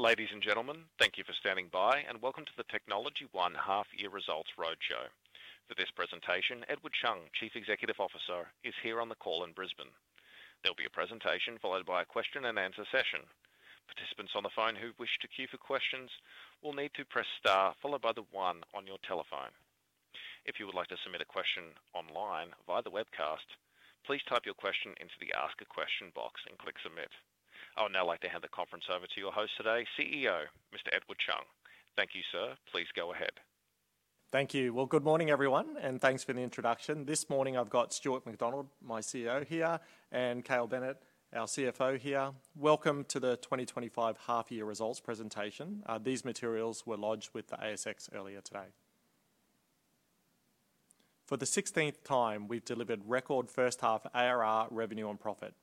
Ladies and gentlemen, thank you for standing by, and welcome to the Technology One half-year results roadshow. For this presentation, Edward Chung, Chief Executive Officer, is here on the call in Brisbane. There'll be a presentation followed by a question-and-answer session. Participants on the phone who wish to queue for questions will need to press star followed by the one on your telephone. If you would like to submit a question online via the webcast, please type your question into the Ask a Question box and click Submit. I would now like to hand the conference over to your host today, CEO, Mr. Edward Chung. Thank you, sir. Please go ahead. Thank you. Good morning, everyone, and thanks for the introduction. This morning I've got Stuart MacDonald, my COO here, and Cale Bennett, our CFO here. Welcome to the 2025 half-year results presentation. These materials were lodged with the ASX earlier today. For the 16th time, we've delivered record first-half ARR revenue on profit.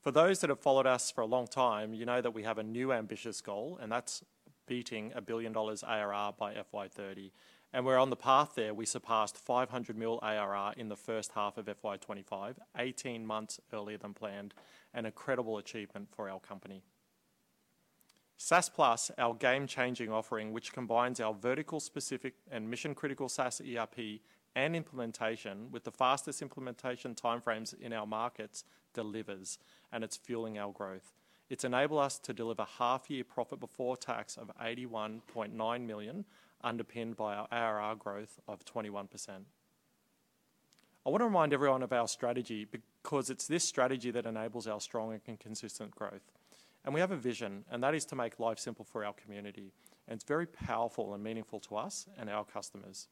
For those that have followed us for a long time, you know that we have a new ambitious goal, and that's beating 1 billion dollars ARR by FY2030. We're on the path there. We surpassed 500 million ARR in the first half of FY2025, 18 months earlier than planned, an incredible achievement for our company. SaaS Plus, our game-changing offering, which combines our vertical-specific and mission-critical SaaS ERP and implementation with the fastest implementation timeframes in our markets, delivers, and it's fueling our growth. It's enabled us to deliver half-year profit before tax of 81.9 million, underpinned by our ARR growth of 21%. I want to remind everyone of our strategy because it's this strategy that enables our strong and consistent growth. We have a vision, and that is to make life simple for our community. It's very powerful and meaningful to us and our customers.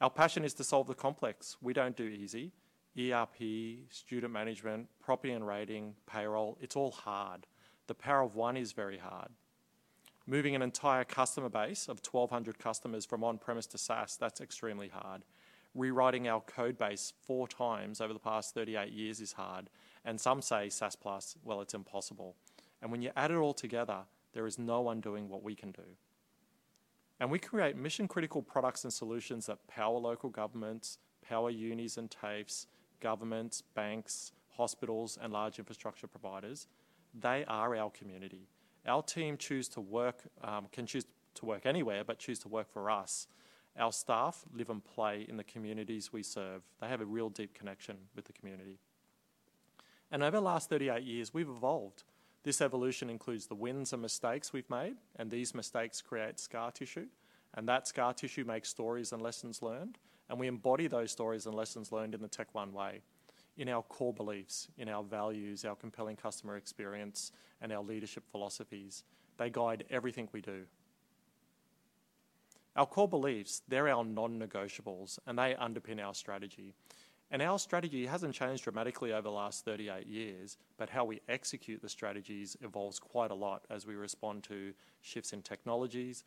Our passion is to solve the complex. We don't do easy. ERP, student management, property and rating, payroll, it's all hard. The Power of One is very hard. Moving an entire customer base of 1,200 customers from on-premise to SaaS, that's extremely hard. Rewriting our code base four times over the past 38 years is hard. Some say SaaS Plus, well, it's impossible. When you add it all together, there is no one doing what we can do. We create mission-critical products and solutions that power local governments, power unis and TAFEs, governments, banks, hospitals, and large infrastructure providers. They are our community. Our team can choose to work anywhere, but choose to work for us. Our staff live and play in the communities we serve. They have a real deep connection with the community. Over the last 38 years, we've evolved. This evolution includes the wins and mistakes we've made, and these mistakes create scar tissue. That scar tissue makes stories and lessons learned. We embody those stories and lessons learned in the TechOne way. In our core beliefs, in our values, our compelling customer experience, and our leadership philosophies, they guide everything we do. Our core beliefs, they're our non-negotiables, and they underpin our strategy. Our strategy has not changed dramatically over the last 38 years, but how we execute the strategy evolves quite a lot as we respond to shifts in technologies,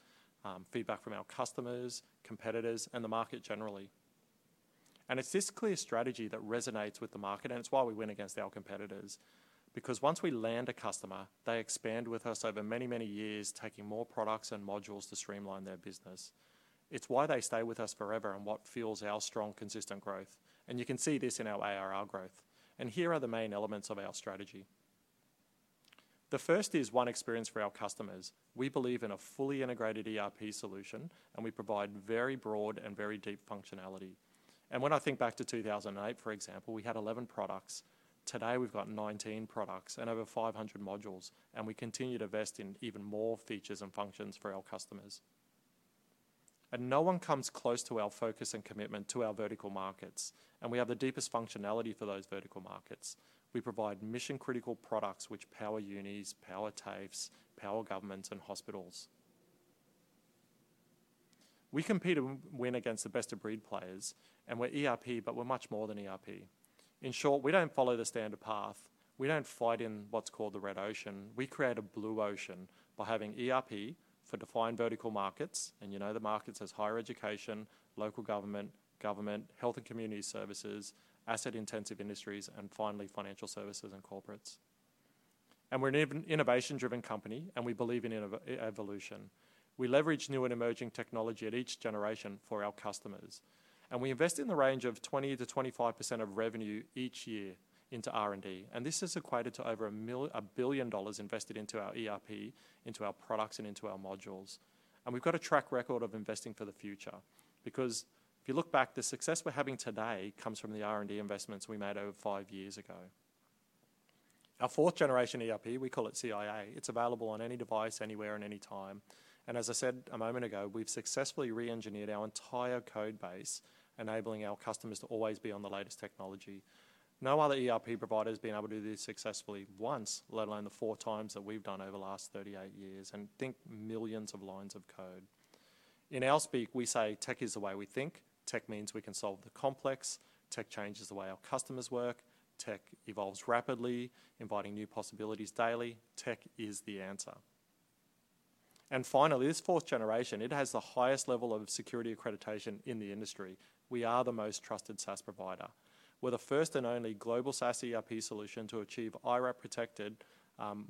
feedback from our customers, competitors, and the market generally. It is this clear strategy that resonates with the market, and it is why we win against our competitors. Once we land a customer, they expand with us over many, many years, taking more products and modules to streamline their business. It is why they stay with us forever and what fuels our strong, consistent growth. You can see this in our ARR growth. Here are the main elements of our strategy. The first is one experience for our customers. We believe in a fully integrated ERP solution, and we provide very broad and very deep functionality. When I think back to 2008, for example, we had 11 products. Today, we've got 19 products and over 500 modules. We continue to invest in even more features and functions for our customers. No one comes close to our focus and commitment to our vertical markets. We have the deepest functionality for those vertical markets. We provide mission-critical products which power unis, power TAFEs, power governments, and hospitals. We compete and win against the best-of-breed players, and we're ERP, but we're much more than ERP. In short, we don't follow the standard path. We don't fight in what's called the red ocean. We create a blue ocean by having ERP for defined vertical markets. You know the markets as higher education, local government, government, health and community services, asset-intensive industries, and finally, financial services and corporates. We're an innovation-driven company, and we believe in evolution. We leverage new and emerging technology at each generation for our customers. We invest in the range of 20%-25% of revenue each year into R&D. This is equated to over 1 billion dollars invested into our ERP, into our products, and into our modules. We have got a track record of investing for the future. Because if you look back, the success we are having today comes from the R&D investments we made over five years ago. Our fourth-generation ERP, we call it CiA. It is available on any device, anywhere, and any time. As I said a moment ago, we have successfully re-engineered our entire code base, enabling our customers to always be on the latest technology. No other ERP provider has been able to do this successfully once, let alone the four times that we have done over the last 38 years. Think millions of lines of code. In our speak, we say tech is the way we think. Tech means we can solve the complex. Tech changes the way our customers work. Tech evolves rapidly, inviting new possibilities daily. Tech is the answer. Finally, this fourth generation has the highest level of security accreditation in the industry. We are the most trusted SaaS provider. We are the first and only global SaaS ERP solution to achieve IRAP protected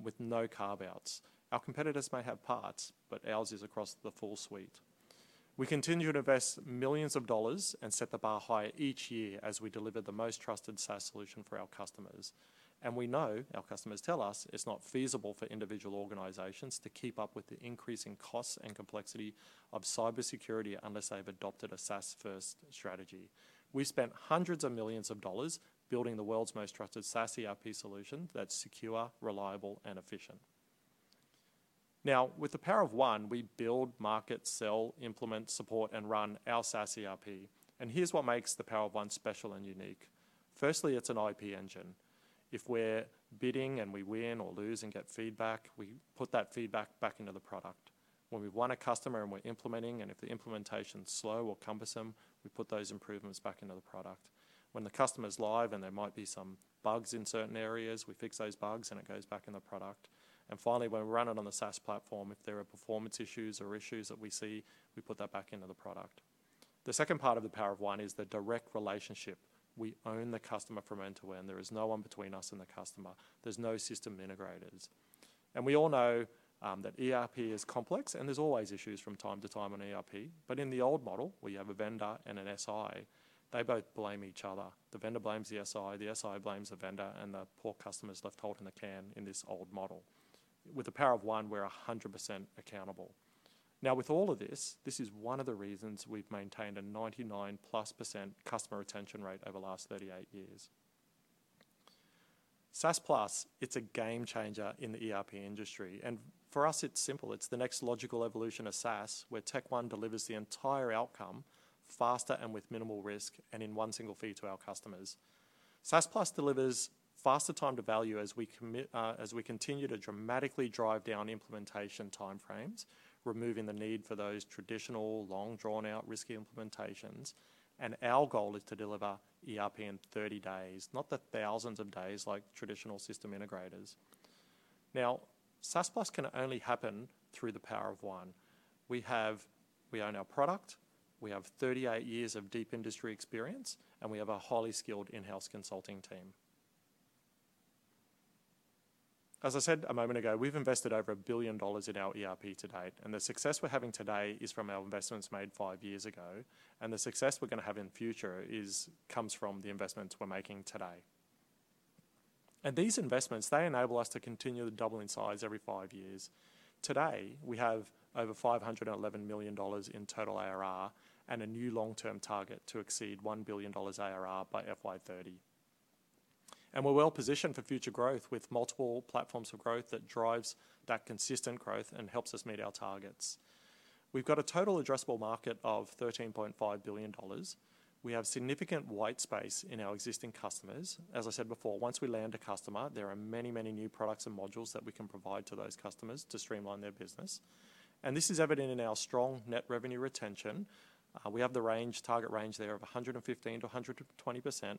with no carve-outs. Our competitors may have parts, but ours is across the full suite. We continue to invest millions of dollars and set the bar higher each year as we deliver the most trusted SaaS solution for our customers. We know, our customers tell us, it is not feasible for individual organizations to keep up with the increasing costs and complexity of cybersecurity unless they have adopted a SaaS-first strategy. We spent hundreds of millions of dollars building the world's most trusted SaaS ERP solution that's secure, reliable, and efficient. Now, with the Power of One, we build, market, sell, implement, support, and run our SaaS ERP. Here's what makes the Power of One special and unique. Firstly, it's an IP engine. If we're bidding and we win or lose and get feedback, we put that feedback back into the product. When we want a customer and we're implementing, and if the implementation's slow or cumbersome, we put those improvements back into the product. When the customer's live and there might be some bugs in certain areas, we fix those bugs and it goes back in the product. Finally, when we're running on the SaaS platform, if there are performance issues or issues that we see, we put that back into the product. The second part of the Power of One is the direct relationship. We own the customer from end to end. There is no one between us and the customer. There's no system integrators. We all know that ERP is complex, and there's always issues from time to time on ERP. In the old model, where you have a vendor and an SI, they both blame each other. The vendor blames the SI, the SI blames the vendor, and the poor customer's left holding the can in this old model. With the Power of One, we're 100% accountable. Now, with all of this, this is one of the reasons we've maintained a 99%+ customer retention rate over the last 38 years. SaaS Plus, it's a game changer in the ERP industry. For us, it's simple. It's the next logical evolution of SaaS, where Technology One delivers the entire outcome faster and with minimal risk and in one single feed to our customers. SaaS Plus delivers faster time to value as we continue to dramatically drive down implementation timeframes, removing the need for those traditional, long-drawn-out risky implementations. Our goal is to deliver ERP in 30 days, not the thousands of days like traditional system integrators. Now, SaaS Plus can only happen through the Power of One. We own our product, we have 38 years of deep industry experience, and we have a highly skilled in-house consulting team. As I said a moment ago, we've invested over 1 billion dollars in our ERP to date. The success we're having today is from our investments made five years ago. The success we're going to have in the future comes from the investments we're making today. These investments enable us to continue to double in size every five years. Today, we have over 511 million dollars in total ARR and a new long-term target to exceed 1 billion dollars ARR by FY2030. We are well positioned for future growth with multiple platforms of growth that drive that consistent growth and help us meet our targets. We have a total addressable market of 13.5 billion dollars. We have significant white space in our existing customers. As I said before, once we land a customer, there are many, many new products and modules that we can provide to those customers to streamline their business. This is evident in our strong net revenue retention. We have the target range there of 115%-120%.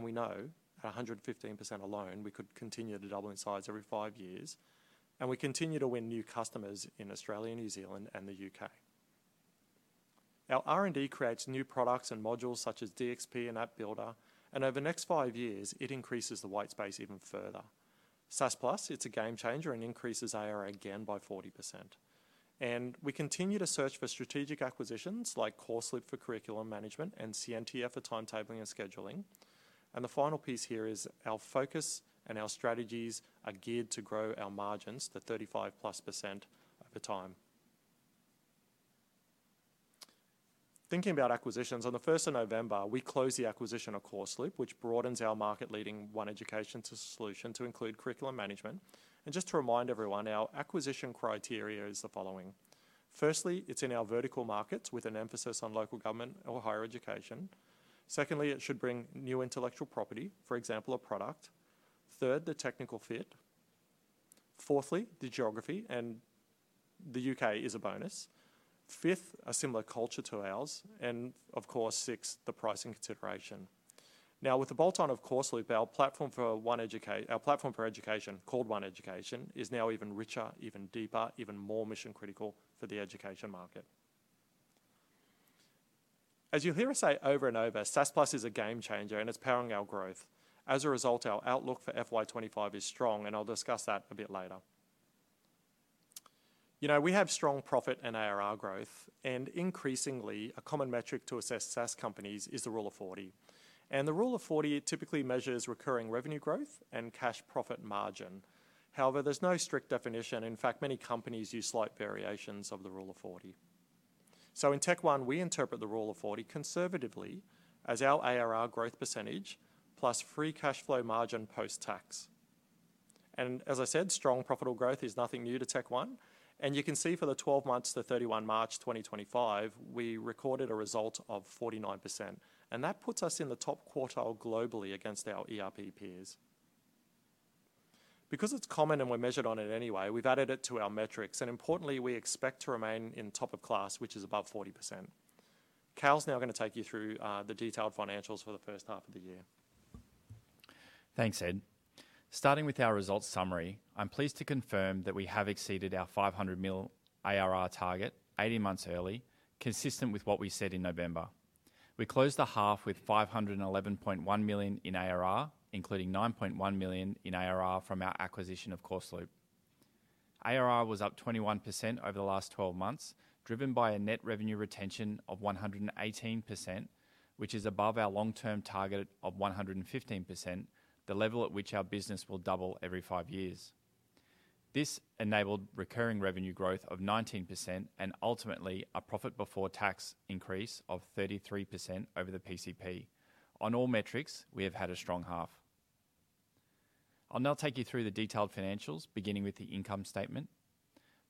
We know at 115% alone, we could continue to double in size every five years. We continue to win new customers in Australia, New Zealand, and the U.K. Our R&D creates new products and modules such as DXP and App Builder. Over the next five years, it increases the white space even further. SaaS Plus, it's a game changer and increases ARR again by 40%. We continue to search for strategic acquisitions like CoreSlip for curriculum management and CNTF for timetabling and scheduling. The final piece here is our focus and our strategies are geared to grow our margins, the 35%+ over time. Thinking about acquisitions, on the 1st of November, we close the acquisition of CoreSlip, which broadens our market-leading One Education solution to include curriculum management. Just to remind everyone, our acquisition criteria is the following. Firstly, it's in our vertical markets with an emphasis on local government or higher education. Secondly, it should bring new intellectual property, for example, a product. Third, the technical fit. Fourthly, the geography, and the U.K. is a bonus. Fifth, a similar culture to ours. And of course, sixth, the pricing consideration. Now, with the bolt-on of CoreSlip, our platform for education, called One Education, is now even richer, even deeper, even more mission-critical for the education market. As you'll hear us say over and over, SaaS Plus is a game changer, and it's powering our growth. As a result, our outlook for FY2025 is strong, and I'll discuss that a bit later. We have strong profit and ARR growth. And increasingly, a common metric to assess SaaS companies is the Rule of 40. And the Rule of 40 typically measures recurring revenue growth and cash profit margin. However, there's no strict definition. In fact, many companies use slight variations of the Rule of 40. In Tech One, we interpret the Rule of 40 conservatively as our ARR growth percentage plus free cash flow margin post-tax. As I said, strong profitable growth is nothing new to TechOne. You can see for the 12 months to 31 March 2025, we recorded a result of 49%. That puts us in the top quartile globally against our ERP peers. Because it is common and we are measured on it anyway, we have added it to our metrics. Importantly, we expect to remain in top of class, which is above 40%. Cale is now going to take you through the detailed financials for the first half of the year. Thanks, Ed. Starting with our results summary, I am pleased to confirm that we have exceeded our 500 million ARR target 18 months early, consistent with what we said in November. We closed the half with 511.1 million in ARR, including 9.1 million in ARR from our acquisition of CoreSlip. ARR was up 21% over the last 12 months, driven by a net revenue retention of 118%, which is above our long-term target of 115%, the level at which our business will double every five years. This enabled recurring revenue growth of 19% and ultimately a profit before tax increase of 33% over the PCP. On all metrics, we have had a strong half. I'll now take you through the detailed financials, beginning with the income statement.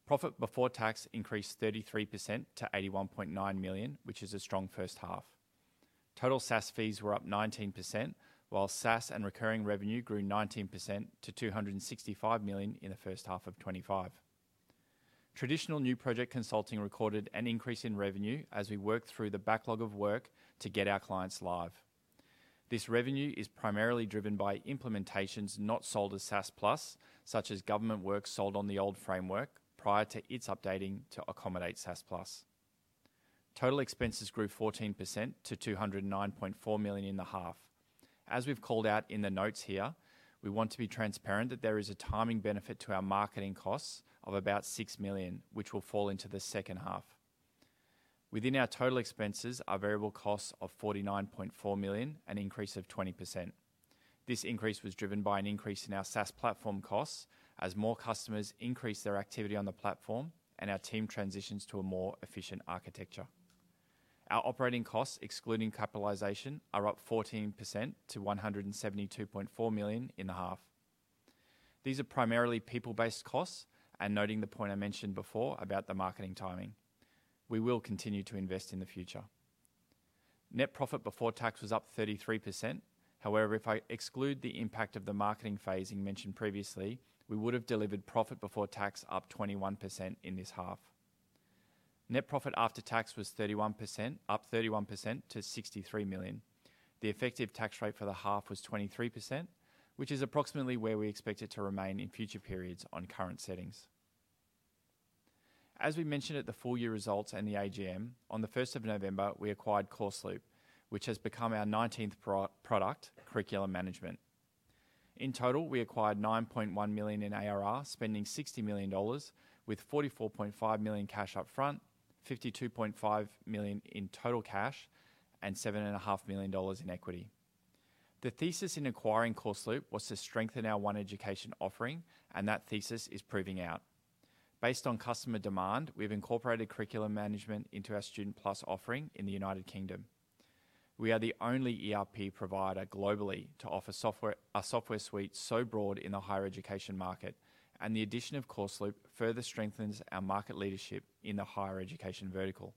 Profit before tax increased 33% to 81.9 million, which is a strong first half. Total SaaS fees were up 19%, while SaaS and recurring revenue grew 19% to 265 million in the first half of 2025. Traditional new project consulting recorded an increase in revenue as we worked through the backlog of work to get our clients live. This revenue is primarily driven by implementations not sold as SaaS Plus, such as government work sold on the old framework prior to its updating to accommodate SaaS Plus. Total expenses grew 14% to 209.4 million in the half. As we've called out in the notes here, we want to be transparent that there is a timing benefit to our marketing costs of about 6 million, which will fall into the second half. Within our total expenses are variable costs of 49.4 million, an increase of 20%. This increase was driven by an increase in our SaaS platform costs as more customers increase their activity on the platform and our team transitions to a more efficient architecture. Our operating costs, excluding capitalization, are up 14% to 172.4 million in the half. These are primarily people-based costs, and noting the point I mentioned before about the marketing timing. We will continue to invest in the future. Net profit before tax was up 33%. However, if I exclude the impact of the marketing phasing mentioned previously, we would have delivered profit before tax up 21% in this half. Net profit after tax was up 31% to 63 million. The effective tax rate for the half was 23%, which is approximately where we expect it to remain in future periods on current settings. As we mentioned at the full year results and the AGM, on the 1st of November, we acquired CoreSlip, which has become our 19th product, Curriculum Management. In total, we acquired 9.1 million in ARR, spending 60 million dollars, with 44.5 million cash upfront, 52.5 million in total cash, and 7.5 million dollars in equity. The thesis in acquiring CoreSlip was to strengthen our One Education offering, and that thesis is proving out. Based on customer demand, we've incorporated Curriculum Management into our Student Plus offering in the United Kingdom. We are the only ERP provider globally to offer a software suite so broad in the higher education market, and the addition of CoreSlip further strengthens our market leadership in the higher education vertical.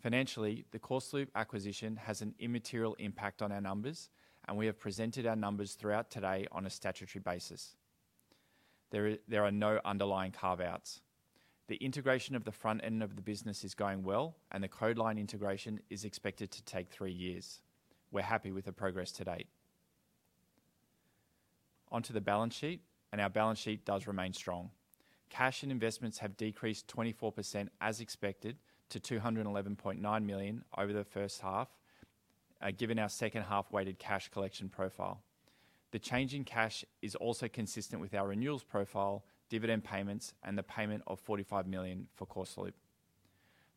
Financially, the CoreSlip acquisition has an immaterial impact on our numbers, and we have presented our numbers throughout today on a statutory basis. There are no underlying carve-outs. The integration of the front end of the business is going well, and the code line integration is expected to take three years. We're happy with the progress to date. Onto the balance sheet, and our balance sheet does remain strong. Cash and investments have decreased 24% as expected to 211.9 million over the first half, given our second half-weighted cash collection profile. The change in cash is also consistent with our renewals profile, dividend payments, and the payment of 45 million for CoreSlip.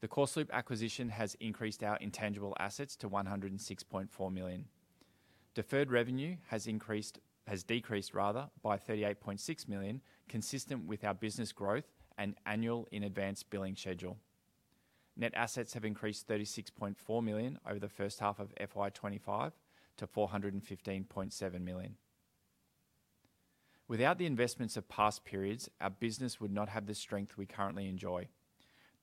The CoreSlip acquisition has increased our intangible assets to 106.4 million. Deferred revenue has decreased, rather, by 38.6 million, consistent with our business growth and annual in-advance billing schedule. Net assets have increased 36.4 million over the first half of FY2025 to 415.7 million. Without the investments of past periods, our business would not have the strength we currently enjoy.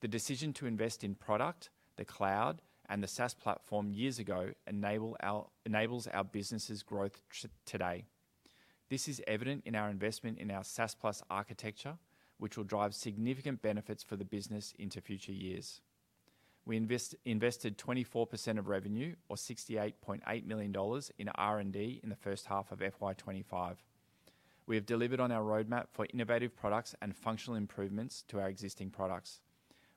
The decision to invest in product, the cloud, and the SaaS platform years ago enables our business's growth today. This is evident in our investment in our SaaS Plus architecture, which will drive significant benefits for the business into future years. We invested 24% of revenue, or 68.8 million dollars, in R&D in the first half of FY2025. We have delivered on our roadmap for innovative products and functional improvements to our existing products.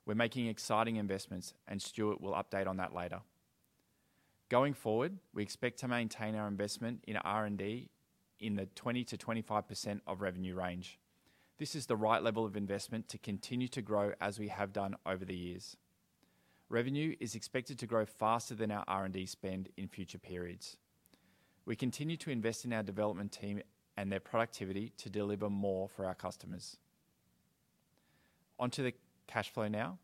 We're making exciting investments, and Stuart will update on that later. Going forward, we expect to maintain our investment in R&D in the 20%-25% of revenue range. This is the right level of investment to continue to grow as we have done over the years. Revenue is expected to grow faster than our R&D spend in future periods. We continue to invest in our development team and their productivity to deliver more for our customers. Onto the cash flow now.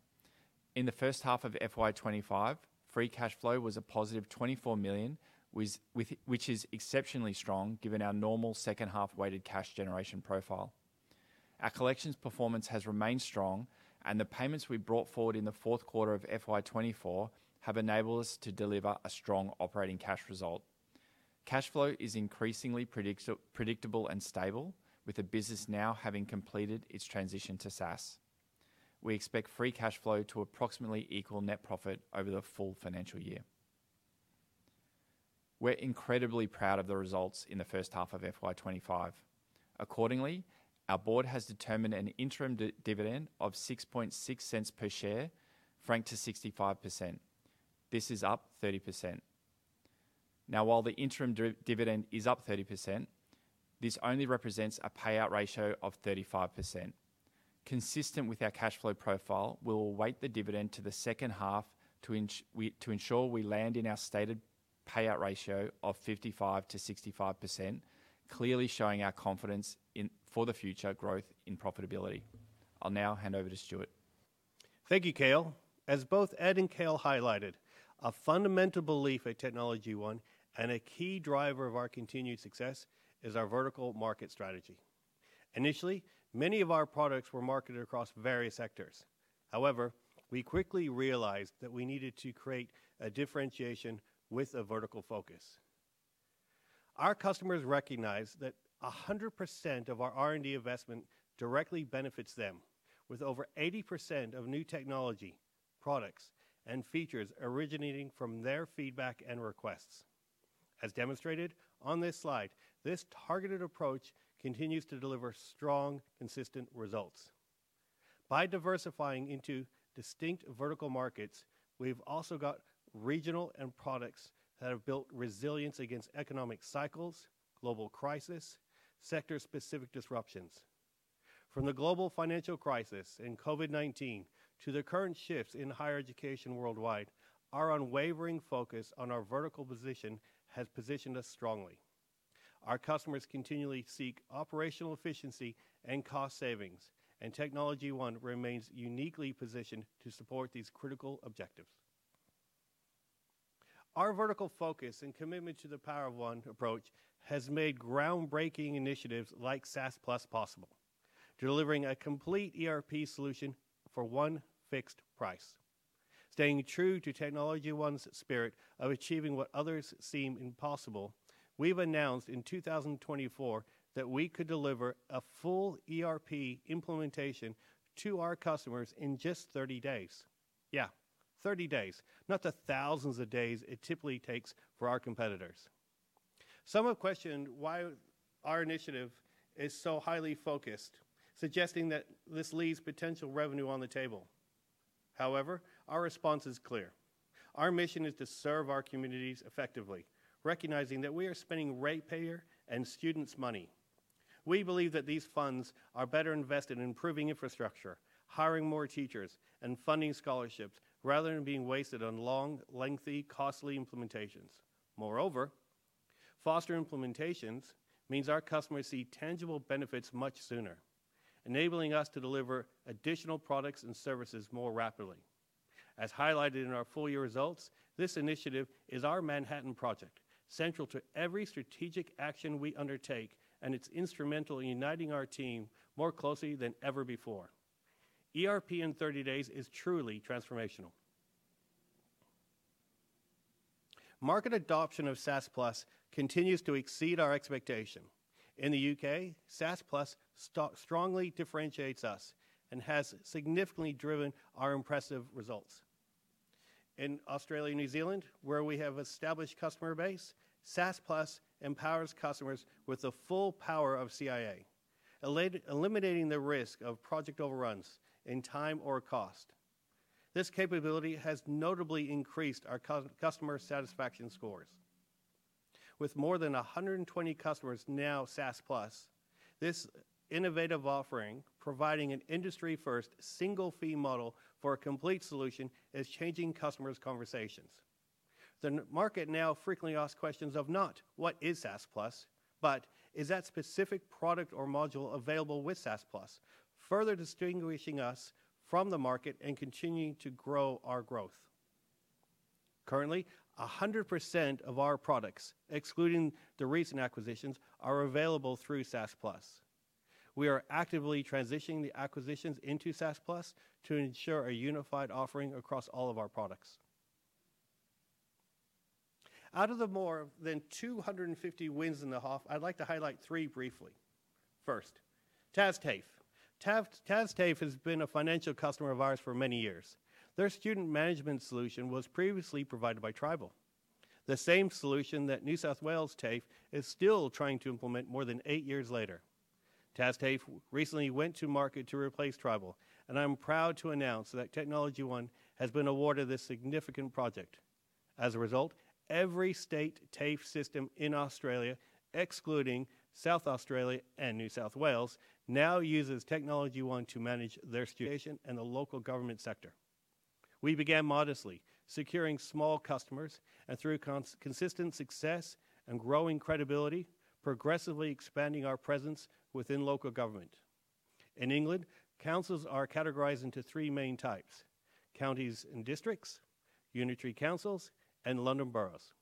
In the first half of FY2025, free cash flow was a +24 million, which is exceptionally strong given our normal second half-weighted cash generation profile. Our collections performance has remained strong, and the payments we brought forward in the fourth quarter of FY2024 have enabled us to deliver a strong operating cash result. Cash flow is increasingly predictable and stable, with the business now having completed its transition to SaaS. We expect free cash flow to approximately equal net profit over the full financial year. We're incredibly proud of the results in the first half of FY2025. Accordingly, our board has determined an interim dividend of 0.66 per share, franked to 65%. This is up 30%. Now, while the interim dividend is up 30%, this only represents a payout ratio of 35%. Consistent with our cash flow profile, we will await the dividend to the second half to ensure we land in our stated payout ratio of 55%-65%, clearly showing our confidence for the future growth in profitability. I'll now hand over to Stuart. Thank you, Cale. As both Ed and Cale highlighted, a fundamental belief at Technology One and a key driver of our continued success is our vertical market strategy. Initially, many of our products were marketed across various sectors. However, we quickly realized that we needed to create a differentiation with a vertical focus. Our customers recognize that 100% of our R&D investment directly benefits them, with over 80% of new technology, products, and features originating from their feedback and requests. As demonstrated on this slide, this targeted approach continues to deliver strong, consistent results. By diversifying into distinct vertical markets, we've also got regional products that have built resilience against economic cycles, global crises, sector-specific disruptions. From the global financial crisis and COVID-19 to the current shifts in higher education worldwide, our unwavering focus on our vertical position has positioned us strongly. Our customers continually seek operational efficiency and cost savings, and Technology One remains uniquely positioned to support these critical objectives. Our vertical focus and commitment to the Power of One approach has made groundbreaking initiatives like SaaS Plus possible, delivering a complete ERP solution for one fixed price. Staying true to TechnologyOne's spirit of achieving what others seem impossible, we've announced in 2024 that we could deliver a full ERP implementation to our customers in just 30 days. Yeah, 30 days, not the thousands of days it typically takes for our competitors. Some have questioned why our initiative is so highly focused, suggesting that this leaves potential revenue on the table. However, our response is clear. Our mission is to serve our communities effectively, recognizing that we are spending ratepayer and students' money. We believe that these funds are better invested in improving infrastructure, hiring more teachers, and funding scholarships rather than being wasted on long, lengthy, costly implementations. Moreover, faster implementations mean our customers see tangible benefits much sooner, enabling us to deliver additional products and services more rapidly. As highlighted in our full year results, this initiative is our Manhattan Project, central to every strategic action we undertake, and it's instrumental in uniting our team more closely than ever before. ERP in 30 days is truly transformational. Market adoption of SaaS Plus continues to exceed our expectation. In the U.K., SaaS Plus strongly differentiates us and has significantly driven our impressive results. In Australia and New Zealand, where we have an established customer base, SaaS Plus empowers customers with the full power of CiA, eliminating the risk of project overruns in time or cost. This capability has notably increased our customer satisfaction scores. With more than 120 customers now SaaS Plus, this innovative offering, providing an industry-first single-fee model for a complete solution, is changing customers' conversations. The market now frequently asks questions of not, "What is SaaS Plus?" but, "Is that specific product or module available with SaaS Plus?" further distinguishing us from the market and continuing to grow our growth. Currently, 100% of our products, excluding the recent acquisitions, are available through SaaS Plus. We are actively transitioning the acquisitions into SaaS Plus to ensure a unified offering across all of our products. Out of the more than 250 wins in the half, I'd like to highlight three briefly. First, TasTAFE. TasTAFE has been a financial customer of ours for many years. Their student management solution was previously provided by Tribal, the same solution that New South Wales TAFE is still trying to implement more than eight years later. TasTAFE recently went to market to replace Tribal, and I'm proud to announce that TechnologyOne has been awarded this significant project. As a result, every state TAFE system in Australia, excluding South Australia and New South Wales, now uses TechnologyOne to manage their student and the local government sector. We began modestly, securing small customers and, through consistent success and growing credibility, progressively expanding our presence within local government. In England, councils are categorized into three main types: counties and districts, unitary councils, and London boroughs.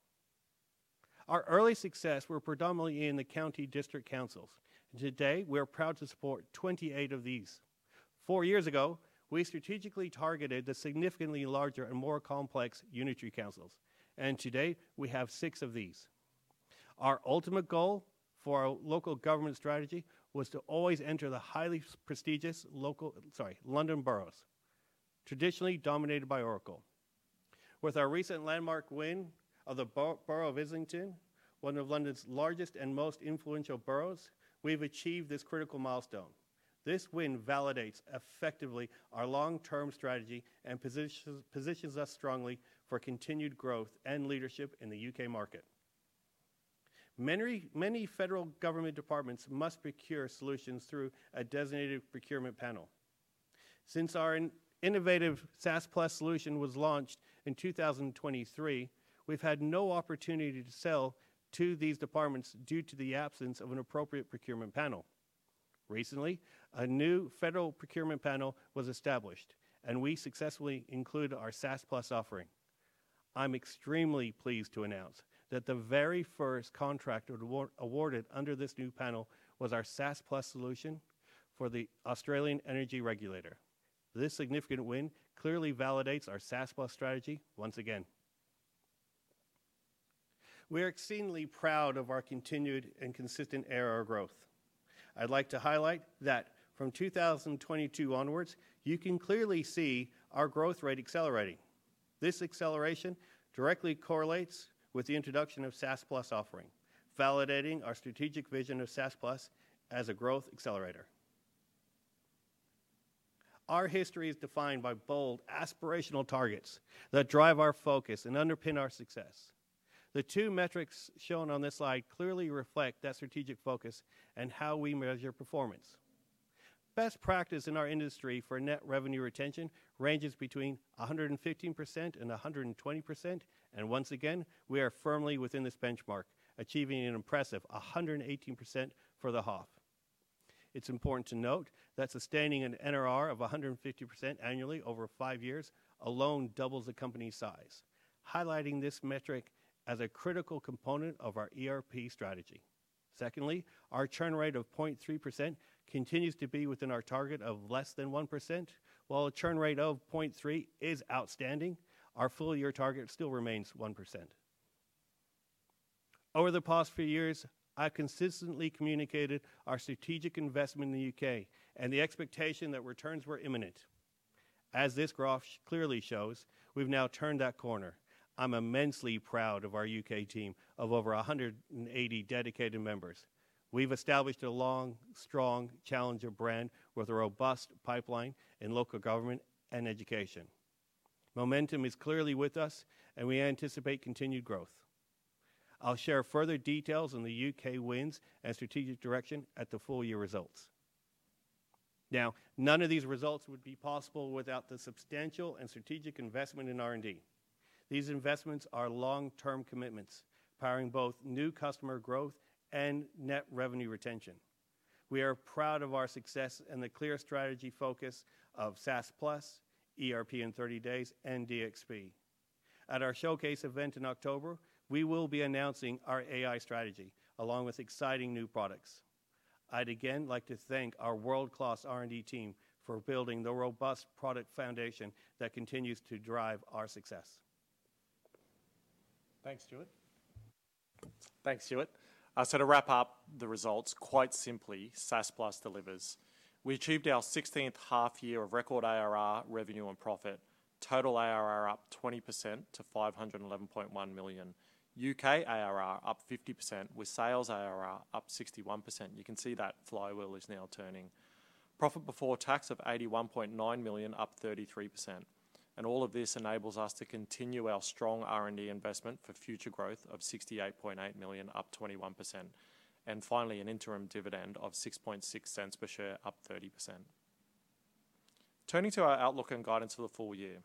Our early success was predominantly in the county district councils, and today we are proud to support 28 of these. Four years ago, we strategically targeted the significantly larger and more complex unitary councils, and today we have six of these. Our ultimate goal for our local government strategy was to always enter the highly prestigious local—sorry—London boroughs, traditionally dominated by Oracle. With our recent landmark win of the Borough of Islington, one of London's largest and most influential boroughs, we've achieved this critical milestone. This win validates effectively our long-term strategy and positions us strongly for continued growth and leadership in the U.K. market. Many federal government departments must procure solutions through a designated procurement panel. Since our innovative SaaS Plus solution was launched in 2023, we've had no opportunity to sell to these departments due to the absence of an appropriate procurement panel. Recently, a new federal procurement panel was established, and we successfully included our SaaS Plus offering. I'm extremely pleased to announce that the very first contract awarded under this new panel was our SaaS Plus solution for the Australian energy regulator. This significant win clearly validates our SaaS Plus strategy once again. We are exceedingly proud of our continued and consistent era of growth. I'd like to highlight that from 2022 onwards, you can clearly see our growth rate accelerating. This acceleration directly correlates with the introduction of SaaS Plus offering, validating our strategic vision of SaaS Plus as a growth accelerator. Our history is defined by bold, aspirational targets that drive our focus and underpin our success. The two metrics shown on this slide clearly reflect that strategic focus and how we measure performance. Best practice in our industry for net revenue retention ranges between 115% and 120%, and once again, we are firmly within this benchmark, achieving an impressive 118% for the half. It's important to note that sustaining an NRR of 150% annually over five years alone doubles the company's size, highlighting this metric as a critical component of our ERP strategy. Secondly, our churn rate of 0.3% continues to be within our target of less than 1%. While a churn rate of 0.3% is outstanding, our full year target still remains 1%. Over the past few years, I've consistently communicated our strategic investment in the U.K. and the expectation that returns were imminent. As this graph clearly shows, we've now turned that corner. I'm immensely proud of our U.K. team of over 180 dedicated members. We've established a long, strong challenger brand with a robust pipeline in local government and education. Momentum is clearly with us, and we anticipate continued growth. I'll share further details on the U.K. wins and strategic direction at the full year results. Now, none of these results would be possible without the substantial and strategic investment in R&D. These investments are long-term commitments powering both new customer growth and net revenue retention. We are proud of our success and the clear strategy focus of SaaS Plus, ERP in 30 days, and DXP. At our showcase event in October, we will be announcing our AI strategy along with exciting new products. I'd again like to thank our world-class R&D team for building the robust product foundation that continues to drive our success. Thanks, Stuart. So, to wrap up the results, quite simply, SaaS Plus delivers. We achieved our 16th half year of record ARR revenue and profit, total ARR up 20% to 511.1 million, U.K. ARR up 50%, with sales ARR up 61%. You can see that flywheel is now turning. Profit before tax of 81.9 million, up 33%. All of this enables us to continue our strong R&D investment for future growth of 68.8 million, up 21%. Finally, an interim dividend of 0.66 per share, up 30%. Turning to our outlook and guidance for the full year,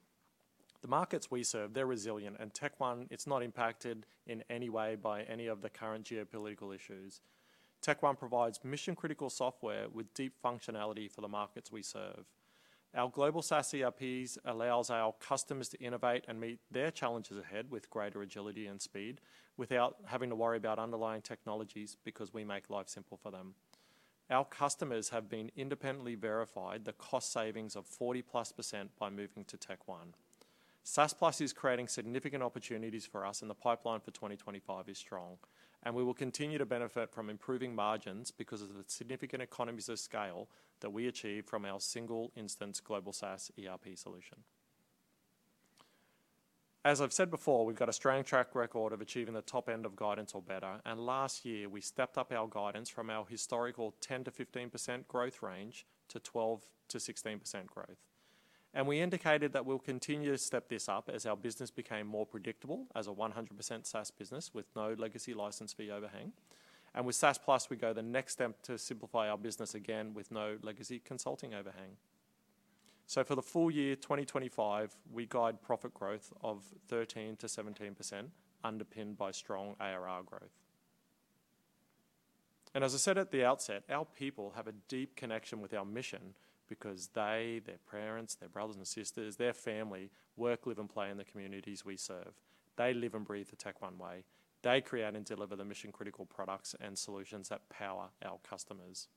the markets we serve, they're resilient, and TechnologyOne, it's not impacted in any way by any of the current geopolitical issues. TechnologyOne provides mission-critical software with deep functionality for the markets we serve. Our global SaaS ERPs allow our customers to innovate and meet their challenges ahead with greater agility and speed without having to worry about underlying technologies because we make life simple for them. Our customers have been independently verified the cost savings of 40%+ by moving to TechnologyOne. SaaS Plus is creating significant opportunities for us, and the pipeline for 2025 is strong. We will continue to benefit from improving margins because of the significant economies of scale that we achieve from our single instance global SaaS ERP solution. As I've said before, we've got a strong track record of achieving the top end of guidance or better. Last year, we stepped up our guidance from our historical 10%-15% growth range to 12%-16% growth. We indicated that we'll continue to step this up as our business became more predictable as a 100% SaaS business with no legacy license fee overhang. With SaaS Plus, we go the next step to simplify our business again with no legacy consulting overhang. For the full year 2025, we guide profit growth of 13%-17%, underpinned by strong ARR growth. As I said at the outset, our people have a deep connection with our mission because they, their parents, their brothers and sisters, their family work, live, and play in the communities we serve. They live and breathe the TechOne way. They create and deliver the mission-critical products and solutions that power our customers.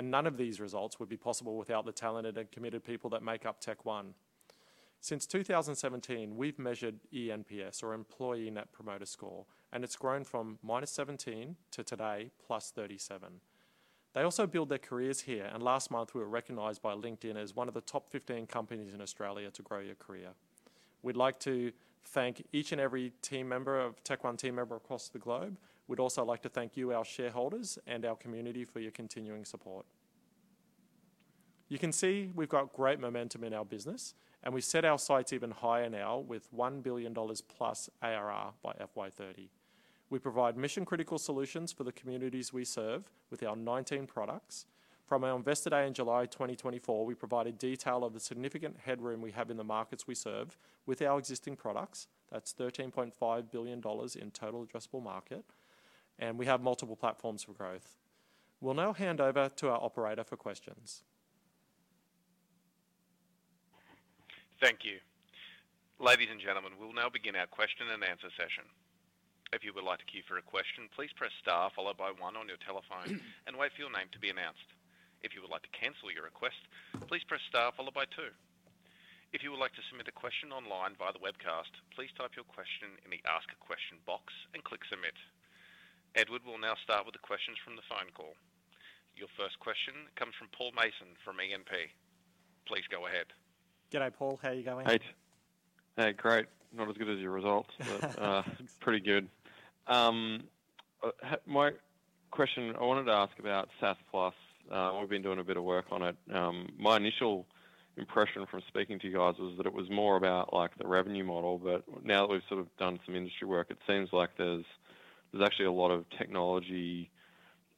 None of these results would be possible without the talented and committed people that make up TechOne. Since 2017, we've measured ENPS, or Employee Net Promoter Score, and it's grown from -17 to today, +37. They also build their careers here, and last month, we were recognized by LinkedIn as one of the top 15 companies in Australia to grow your career. We'd like to thank each and every team member of Technology One team member across the globe. We'd also like to thank you, our shareholders and our community, for your continuing support. You can see we've got great momentum in our business, and we set our sights even higher now with 1 billion dollars plus ARR by FY2030. We provide mission-critical solutions for the communities we serve with our 19 products. From our Investor Day in July 2024, we provided detail of the significant headroom we have in the markets we serve with our existing products. That's 13.5 billion dollars in total addressable market, and we have multiple platforms for growth. We'll now hand over to our operator for questions. Thank you. Ladies and gentlemen, we'll now begin our question and answer session. If you would like to queue for a question, please press star followed by oneon your telephone and wait for your name to be announced. If you would like to cancel your request, please press star followed by two. If you would like to submit a question online via the webcast, please type your question in the Ask a Question box and click Submit. Edward will now start with the questions from the phone call. Your first question comes from Paul Mason from E&P. Please go ahead. G'day, Paul. How are you going? Hey. Hey, great. Not as good as your results, but pretty good. My question, I wanted to ask about SaaS Plus. We've been doing a bit of work on it. My initial impression from speaking to you guys was that it was more about the revenue model, but now that we've sort of done some industry work, it seems like there's actually a lot of technology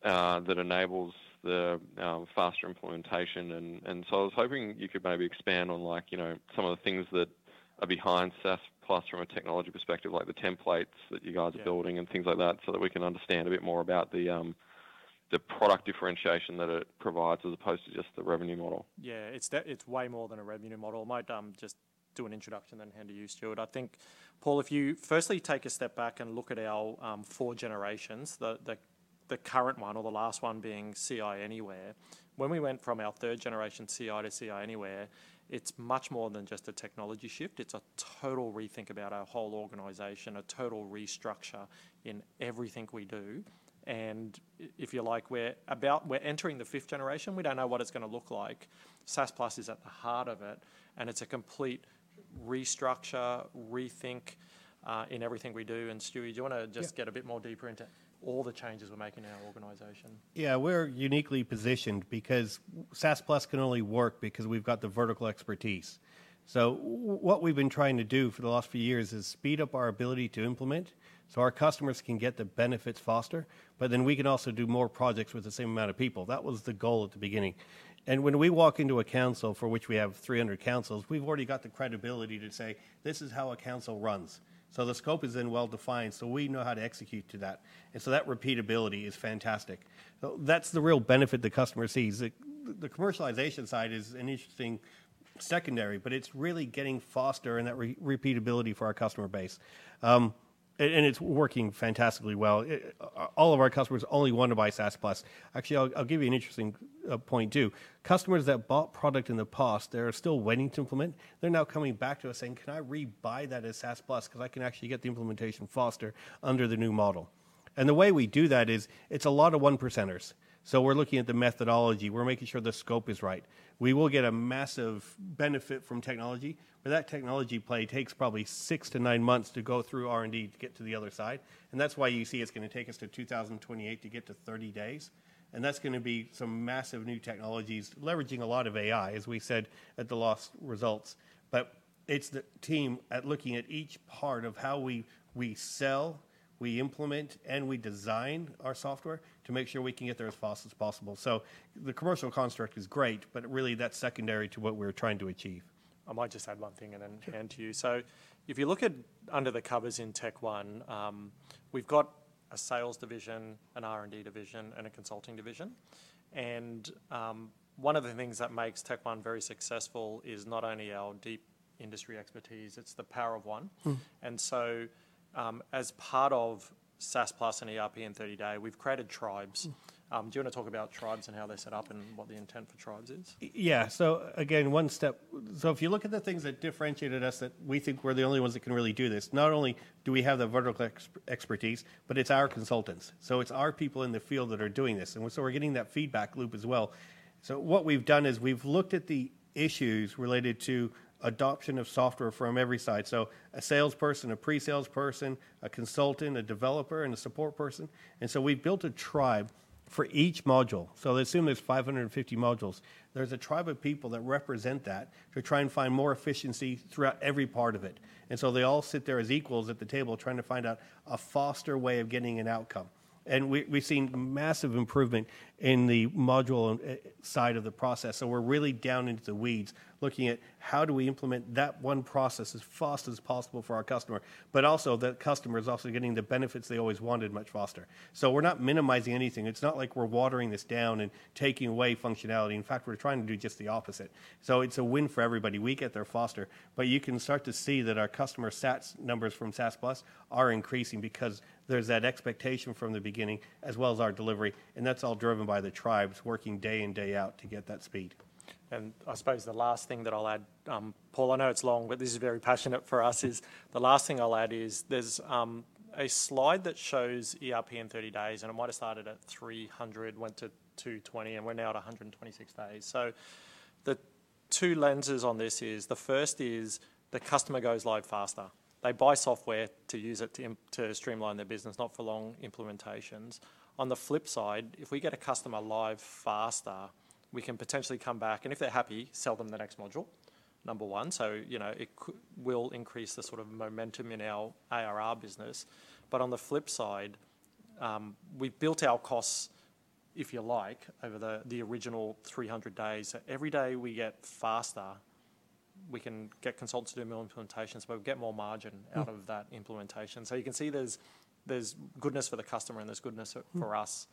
that enables the faster implementation. I was hoping you could maybe expand on some of the things that are behind SaaS Plus from a technology perspective, like the templates that you guys are building and things like that, so that we can understand a bit more about the product differentiation that it provides as opposed to just the revenue model. Yeah, it's way more than a revenue model. I might just do an introduction and then hand to you, Stuart. I think, Paul, if you firstly take a step back and look at our four generations, the current one or the last one being Ci Anywhere, when we went from our third generation Ci to Ci Anywhere, it's much more than just a technology shift. It's a total rethink about our whole organization, a total restructure in everything we do. If you're like, we're entering the fifth generation, we don't know what it's going to look like. SaaS Plus is at the heart of it, and it's a complete restructure, rethink in everything we do. Stuart, do you want to just get a bit more deeper into all the changes we're making in our organization? Yeah, we're uniquely positioned because SaaS Plus can only work because we've got the vertical expertise. What we've been trying to do for the last few years is speed up our ability to implement so our customers can get the benefits faster, but then we can also do more projects with the same amount of people. That was the goal at the beginning. When we walk into a council for which we have 30 councils, we've already got the credibility to say, this is how a council runs. The scope is then well-defined, so we know how to execute to that. That repeatability is fantastic. That's the real benefit the customer sees. The commercialization side is an interesting secondary, but it's really getting faster and that repeatability for our customer base. It's working fantastically well. All of our customers only want to buy SaaS Plus. Actually, I'll give you an interesting point too. Customers that bought product in the past, they're still waiting to implement. They're now coming back to us saying, can I rebuy that as SaaS Plus because I can actually get the implementation faster under the new model? The way we do that is it's a lot of one-percenters. We're looking at the methodology. We're making sure the scope is right. We will get a massive benefit from technology, but that technology play takes probably six to nine months to go through R&D to get to the other side. That is why you see it's going to take us to 2028 to get to 30 days. That is going to be some massive new technologies, leveraging a lot of AI, as we said at the last results. It's the team looking at each part of how we sell, we implement, and we design our software to make sure we can get there as fast as possible. The commercial construct is great, but really that's secondary to what we're trying to achieve. I might just add one thing and then hand to you. If you look at under the covers in TechOne, we've got a sales division, an R&D division, and a consulting division. One of the things that makes Tech One very successful is not only our deep industry expertise, it's the power of one. As part of SaaS Plus and ERP in 30 day, we've created tribes. Do you want to talk about tribes and how they're set up and what the intent for tribes is? Yeah. Again, one step. If you look at the things that differentiated us, that we think we're the only ones that can really do this, not only do we have the vertical expertise, but it's our consultants. It's our people in the field that are doing this. We're getting that feedback loop as well. What we've done is we've looked at the issues related to adoption of software from every side. A salesperson, a pre-salesperson, a consultant, a developer, and a support person. We've built a tribe for each module. Let's assume there's 550 modules. There's a tribe of people that represent that to try and find more efficiency throughout every part of it. They all sit there as equals at the table trying to find out a faster way of getting an outcome. We have seen massive improvement in the module side of the process. We are really down into the weeds looking at how do we implement that one process as fast as possible for our customer, but also the customer is also getting the benefits they always wanted much faster. We are not minimizing anything. It is not like we are watering this down and taking away functionality. In fact, we are trying to do just the opposite. It is a win for everybody. We get there faster, but you can start to see that our customer stats numbers from SaaS Plus are increasing because there is that expectation from the beginning as well as our delivery. That is all driven by the tribes working day in, day out to get that speed. I suppose the last thing that I'll add, Paul, I know it's long, but this is very passionate for us, is the last thing I'll add is there's a slide that shows ERP in 30 days, and it might have started at 300, went to 220, and we're now at 126 days. The two lenses on this is the first is the customer goes live faster. They buy software to use it to streamline their business, not for long implementations. On the flip side, if we get a customer live faster, we can potentially come back, and if they're happy, sell them the next module, number one. It will increase the sort of momentum in our ARR business. On the flip side, we built our costs, if you like, over the original 300 days. Every day we get faster, we can get consultants to do more implementations, but we get more margin out of that implementation. You can see there is goodness for the customer and there is goodness for us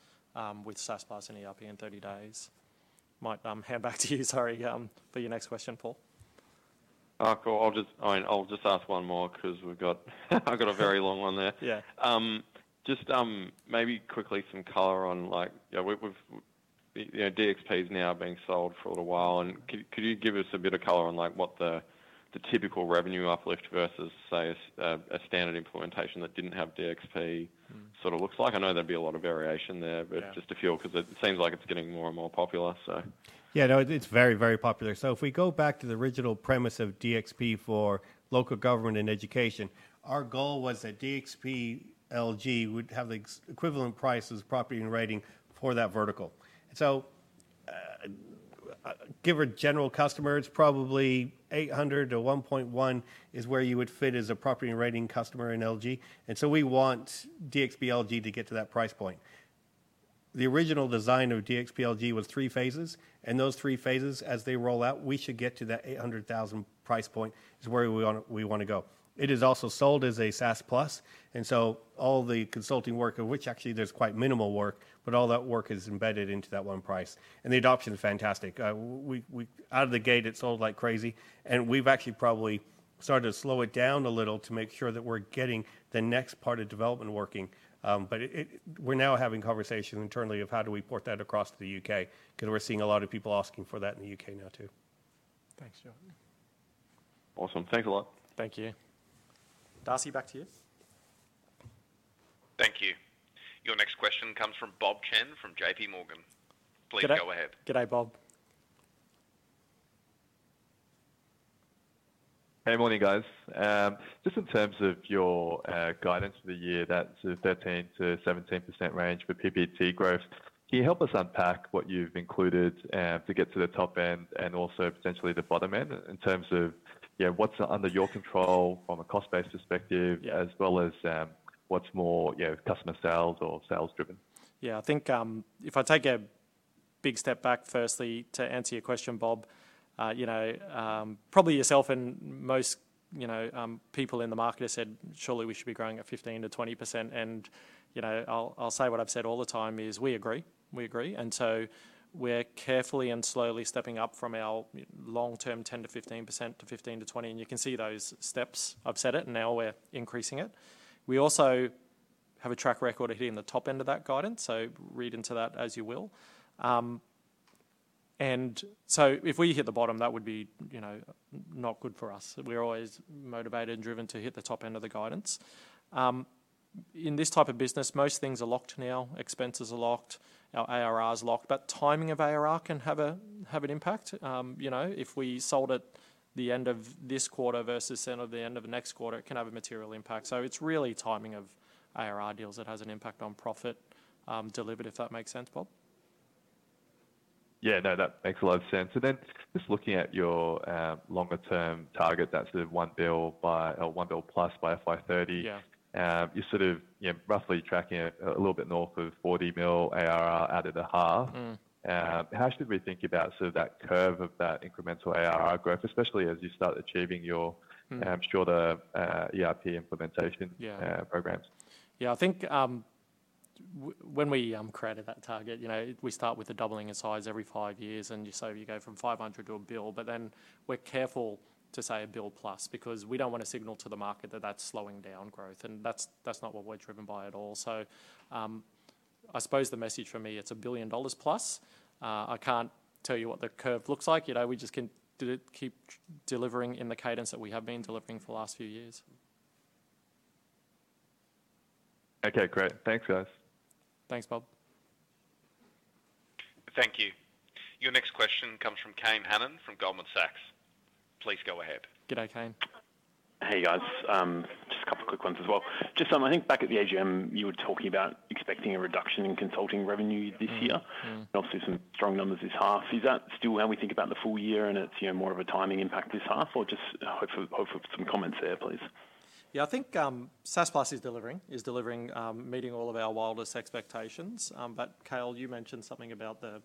with SaaS Plus and ERP in 30 days. Might hand back to you. Sorry for your next question, Paul. I will just ask one more because I have got a very long one there. Just maybe quickly some color on DXP is now being sold for a little while. Could you give us a bit of color on what the typical revenue uplift versus, say, a standard implementation that did not have DXP sort of looks like? I know there would be a lot of variation there, but just a few because it seems like it is getting more and more popular. Yeah, no, it is very, very popular. If we go back to the original premise of DXP for local government and education, our goal was that DXP LG would have the equivalent price as Property and Rating for that vertical. Give a general customer, it's probably 800,000-1.1 million is where you would fit as a Property and Rating customer in LG. We want DXP LG to get to that price point. The original design of DXP LG was three phases, and as those three phases roll out, we should get to that 800,000 price point, which is where we want to go. It is also sold as a SaaS Plus, and all the consulting work, of which actually there's quite minimal work, but all that work is embedded into that one price. The adoption is fantastic. Out of the gate, it sold like crazy, and we've actually probably started to slow it down a little to make sure that we're getting the next part of development working. But we're now having conversations internally of how do we port that across to the U.K. because we're seeing a lot of people asking for that in the U.K. now too. Thanks, Stuart. Awesome. Thanks a lot. Thank you. Darcy, back to you. Thank you. Your next question comes from Bob Chen from JPMorgan. Please go ahead. G'day, Bob. Hey, morning, guys. Just in terms of your guidance for the year, that's a 13%-17% range for PPT growth. Can you help us unpack what you've included to get to the top end and also potentially the bottom end in terms of what's under your control from a cost-based perspective, as well as what's more customer sales or sales-driven? Yeah, I think if I take a big step back firstly to answer your question, Bob, probably yourself and most people in the market have said, surely we should be growing at 15%-20%. I'll say what I've said all the time is we agree. We agree. We are carefully and slowly stepping up from our long-term 10%-15% to 15%-20%. You can see those steps. I've said it, and now we're increasing it. We also have a track record of hitting the top end of that guidance, so read into that as you will. If we hit the bottom, that would be not good for us. We are always motivated and driven to hit the top end of the guidance. In this type of business, most things are locked now. Expenses are locked. Our ARR is locked, but timing of ARR can have an impact. If we sold at the end of this quarter versus the end of the next quarter, it can have a material impact. It is really timing of ARR deals that has an impact on profit delivered, if that makes sense, Bob. Yeah, that makes a lot of sense. Just looking at your longer-term target, that sort of OneBillPlus by FY2030, you are sort of roughly tracking a little bit north of 40 million ARR out of the half. How should we think about sort of that curve of that incremental ARR growth, especially as you start achieving your shorter ERP implementation programs? Yeah, I think when we created that target, we start with a doubling in size every five years, and so you go from 500 to a billion. But then we're careful to say a billion plus because we don't want to signal to the market that that's slowing down growth, and that's not what we're driven by at all. I suppose the message for me, it's a billion dollars plus. I can't tell you what the curve looks like. We just can keep delivering in the cadence that we have been delivering for the last few years. Okay, geat. Thanks, guys. Thanks, Bob. Thank you. Your next question comes from Kane Hannan from Goldman Sachs. Please go ahead. G'day, Kane. Hey, guys. Just a couple of quick ones as well. Just I think back at the AGM, you were talking about expecting a reduction in consulting revenue this year. Obviously, some strong numbers this half. Is that still how we think about the full year and it's more of a timing impact this half or just hope for some comments there, please? Yeah, I think SaaS Plus is delivering, is delivering, meeting all of our wildest expectations. But Cale, you mentioned something about the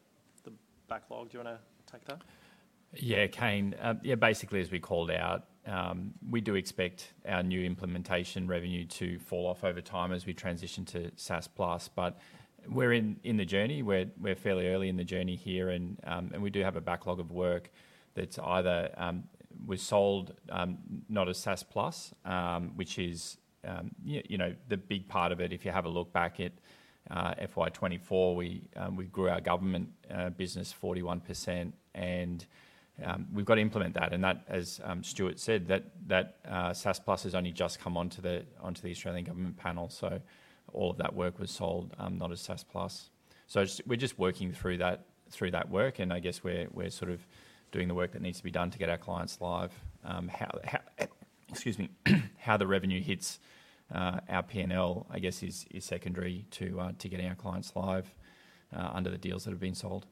backlog. Do you want to take that? Yeah, Cale. Yeah, basically, as we called out, we do expect our new implementation revenue to fall off over time as we transition to SaaS Plus. But we're in the journey. We're fairly early in the journey here, and we do have a backlog of work that's either we sold not as SaaS Plus, which is the big part of it. If you have a look back at FY2024, we grew our government business 41%, and we have got to implement that. That, as Stuart said, that SaaS Plus has only just come onto the Australian government panel. All of that work was sold, not as SaaS Plus. We are just working through that work, and I guess we a re sort of doing the work that needs to be done to get our clients live. Excuse me. How the revenue hits our P&L, I guess, is secondary to getting our clients live under the deals that have been sold.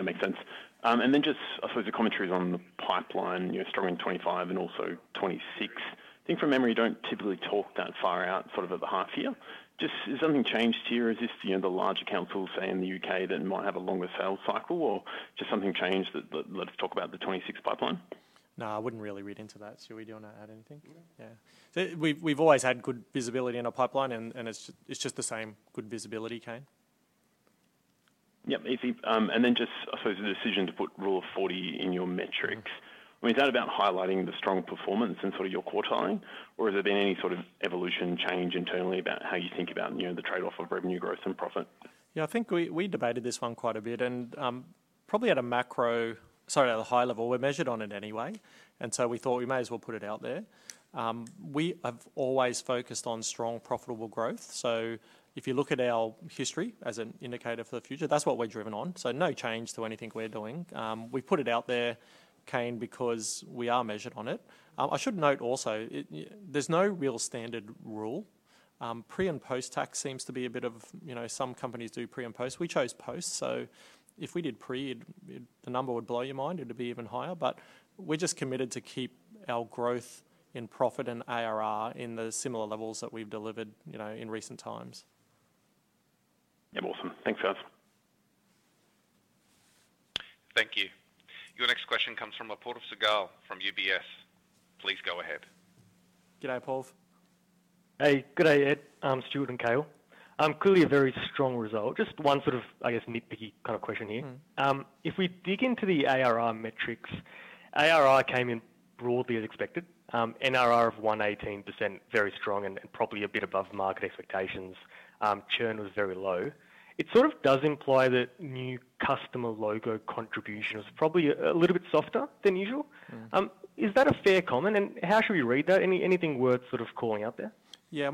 Yep, that makes sense. I suppose the commentary is on the pipeline, strong in 2025 and also 2026. I think from memory, you do not typically talk that far out sort of at the half year. Has something changed here? Is this the larger councils in the U.K. that might have a longer sales cycle or just something changed that let us talk about the 26 pipeline? No, I would not really read into that. Stuart, you want to add anything? Yeah. We have always had good visibility in our pipeline, and it is just the same good visibility, Kane. Yep. And then just I suppose the decision to put rule of 40 in your metrics. I mean, is that about highlighting the strong performance in sort of your quarterline, or has there been any sort of evolution change internally about how you think about the trade-off of revenue growth and profit? Yeah, I think we debated this one quite a bit and probably at a macro, sorry, at a high level. We are measured on it anyway, and so we thought we may as well put it out there. We have always focused on strong, profitable growth. If you look at our history as an indicator for the future, that's what we're driven on. No change to anything we're doing. We've put it out there, Kane, because we are measured on it. I should note also, there's no real standard rule. Pre and post-tax seems to be a bit of some companies do pre and post. We chose post. If we did pre, the number would blow your mind. It'd be even higher. We're just committed to keep our growth in profit and ARR in the similar levels that we've delivered in recent times. Yep, awesome. Thanks, guys Thank you. Your next question comes from Apoorv Sehgal from UBS. Please go ahead. G'day, Paul Hey, g'day, Ed, Stuart, and Cale. Clearly a very strong result. Just one sort of, I guess, nitpicky kind of question here. If we dig into the ARR metrics, ARR came in broadly as expected, NRR of 118%, very strong and probably a bit above mark et expectations. Churn was very low. It sort of does imply that new customer logo contribution was probably a little bit softer than usual. Is that a fair comment? How should we read that? Anything worth sort of calling out there? Yeah,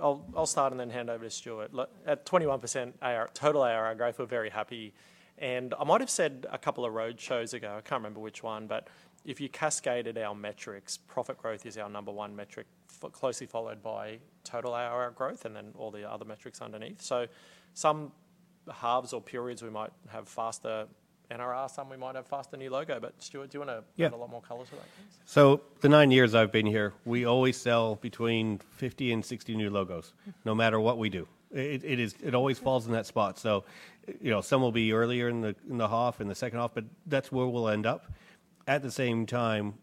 I'll start and then hand over to Stuart. At 21% total ARR growth, we're very happy. I might have said a couple of roadshows ago, I can't remember which one, but if you cascaded our metrics, profit growth is our number one metric, closely followed by total ARR growth and then all the other metrics underneath. Some halves or periods, we might have faster NRR, some we might have faster new logo. Stuart, do you want to add a lot more color to that? The nine years I've been here, we always sell between 50-60 new logos, no matter what we do. It always falls in that spot. Some will be earlier in the half and the second half, but that's where we'll end up. At the same time,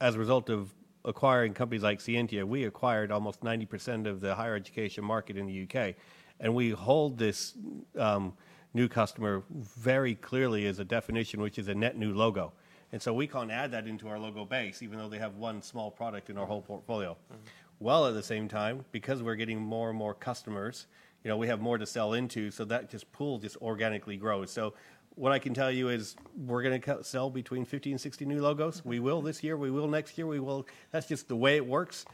as a result of acquiring companies like CNT, we acquired almost 90% of the higher education market in the U.K. We hold this new customer very clearly as a definition, which is a net new logo. We can't add that into our logo base, even though they have one small product in our whole portfolio. At the same time, because we're getting more and more customers, we have more to sell into, so that pool just organically grows. What I can tell you is we're going to sell between 50 and 60 new logos. We will this year. We will next year. That's just the way it works.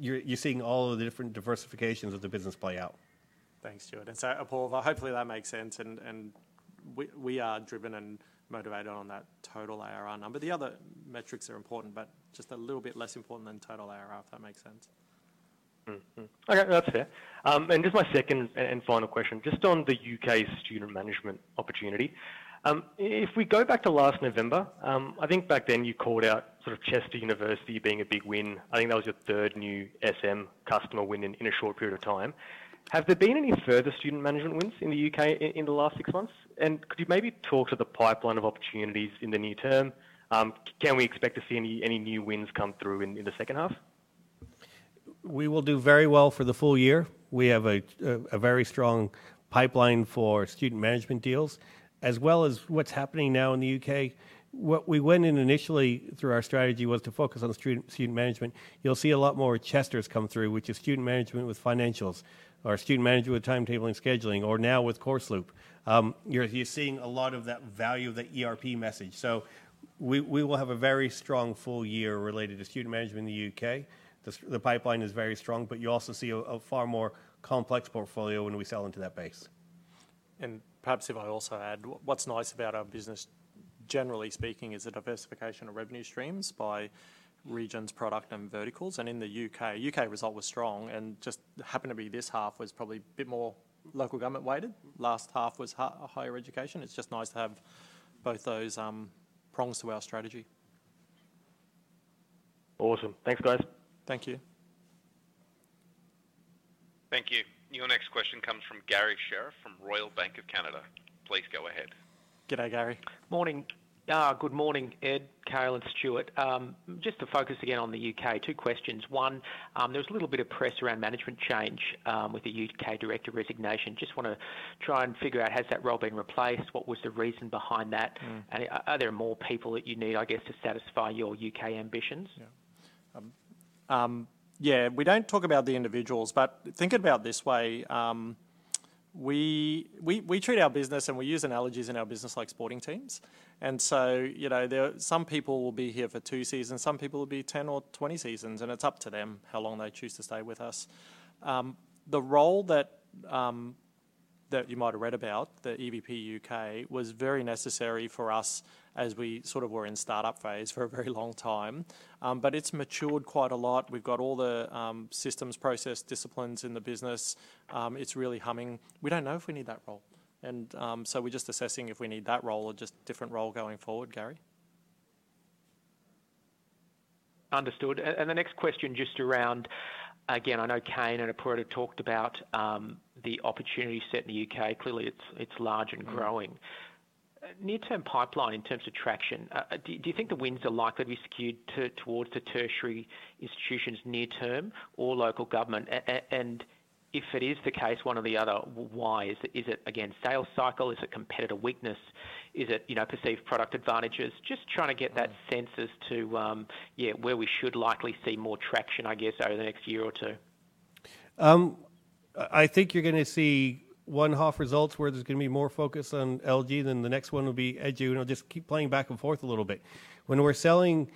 You're seeing all of the different diversifications of the business play out. Thanks, Stuart. Paul, hopefully that makes sense. We are driven and motivated on that total ARR number. The other metrics are important, but just a little bit less important than total ARR, if that makes sense. Okay, that's fair. Just my second and final question, just on the U.K. student management opportunity. If we go back to last November, I think back then you called out sort of Chester University being a big win. I think that was your third new SM customer win in a short period of time. Have there been any further student management wins in the U.K. in the last six months? Could you maybe talk to the pipeline of opportunities in the new term? Can we expect to see any new wins come through in the second half? We will do very well for the full year. We have a very strong pipeline for student management deals. As well as what is happening now in the U.K., what we went in initially through our strategy was to focus on student management. You will see a lot more Chesters come through, which is student management with financials, or student management with timetabling scheduling, or now with CourseLoop. You are seeing a lot of that value of that ERP message. We will have a very strong full year related to student management in the U.K. The pipeline is very strong, but you also see a far more complex portfolio when we sell into that base. Perhaps if I also add, what's nice about our business, generally speaking, is the diversification of revenue streams by regions, product, and verticals. In the U.K., the U.K. result was strong. It just happened to be this half was probably a bit more local government weighted. Last half was higher education. It's just nice to have both those prongs to our strategy. Awesome. Thanks, guys. Thank you. Thank you. Your next question comes from Garry Sheriff from Royal Bank of Canada. Please go ahead. G'day, Garry. Morning. Good morning, Ed, Cale, and Stuart. Just to focus again on the U.K., two questions. One, there was a little bit of press around management change with the U.K. director resignation. Just want to try and figure out, has that role been replac ed? What was the reason behind that? And are there more people that you need, I guess, to satisfy your U.K. ambiti ns? Yeah, we do not talk about the individuals, but think about it this way. We treat our business and we use analogies in our business like sporting teams. Some people will be here for two seasons. Some people will be 10 or 20 seasons, and it is up to them how long they choose to stay with us. The role that you might have read about, the EVP U.K., was very necessary for us as we sort of were in startup phase for a very long time. It has matured quite a lot. We've got all the systems, process, disciplines in the business. It's really humming. We don't know if we need that role. We're just assessing if we need that role or just a different role going forward, Garry. Understood. The next question just around, again, I know Kane and Apoorv talked about the opportunity set in the U.K. Clearly, it's large and growing. Near-term pipeline in terms of traction, do you think the wins are likely to be skewed towards the tertiary institutions near-term or local government? If it is the case, one or the other, why? Is it, again, sales cycle? Is it competitor weakness? Is it perceived product advantages? Just trying to get that census to, yeah, where we should likely see more traction, I guess, over the next year or two. I think you're going to see one half results where there's going to be more focus on LG, then the next one will be Edu. I'll just keep playing back and forth a little bit. When we're selling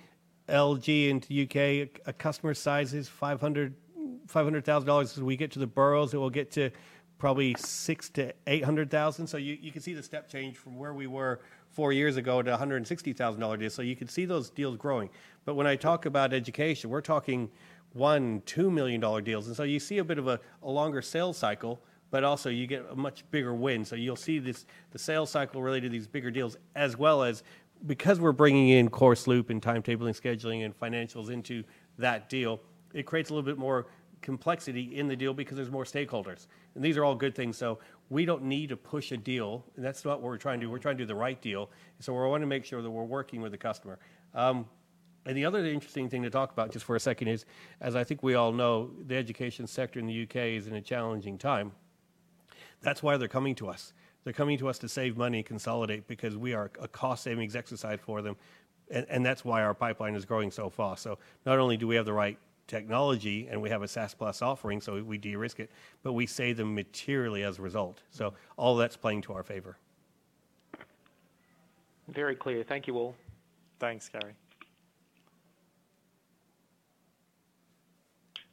LG into the U.K., a customer size is 500,000 dollars. As we get to the boroughs, it will get to probably 600,000-800,000. You can see the step change from where we were four years ago to 160,000 dollar deals. You can see those deals growing. When I talk about education, we're talking 1 million-2 million dollar deals. You see a bit of a longer sales cycle, but also you get a much bigger win. You'll see the sales cycle related to these bigger deals, as well as because we're bringing in CourseLoop and timetabling scheduling and financials into that deal, it creates a little bit more complexity in the deal because there's more stakeholders. These are all good things. We don't need to push a deal, and that's not what we're trying to do. We're trying to do the right deal. We want to make sure that we're working with the customer. The other interesting thing to talk about just for a second is, as I think we all know, the education sector in the U.K. is in a challenging time. That's why they're coming to us. They're coming to us to save money, consolite, because we are a cost-saving exercise for them. That's why our pipeline is growing so fast. Not only do we have the right technology and we have a SaaS Plus offering, so we de-risk it, but we save them materially as a result. All that's playing to our favor. Very clear. Thank you all. Thanks, Garry.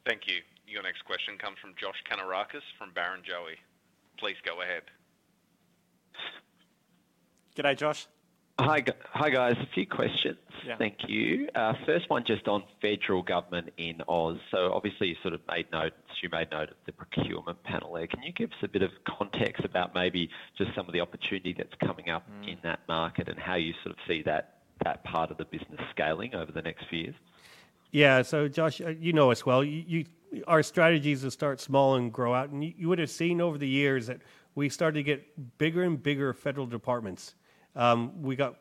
Thank you. Your next question comes from Josh Kannourakis from Barrenjoey. Please go ahead. G'day, Josh. Hi, guys. A few questions. Thank you. First one just on federal government in Oz. Obviously, you sort of made notes. You made note of the procurement panel there. Can you give us a bit of context about maybe just some of the opportunity that's coming up in that market and how you sort of see that part of the business scaling over the next few years? Yeah, Josh, you know us well. Our strategy is to start small and grow out You would have seen over the years that we started to get bigger and bigger federal departments. We got,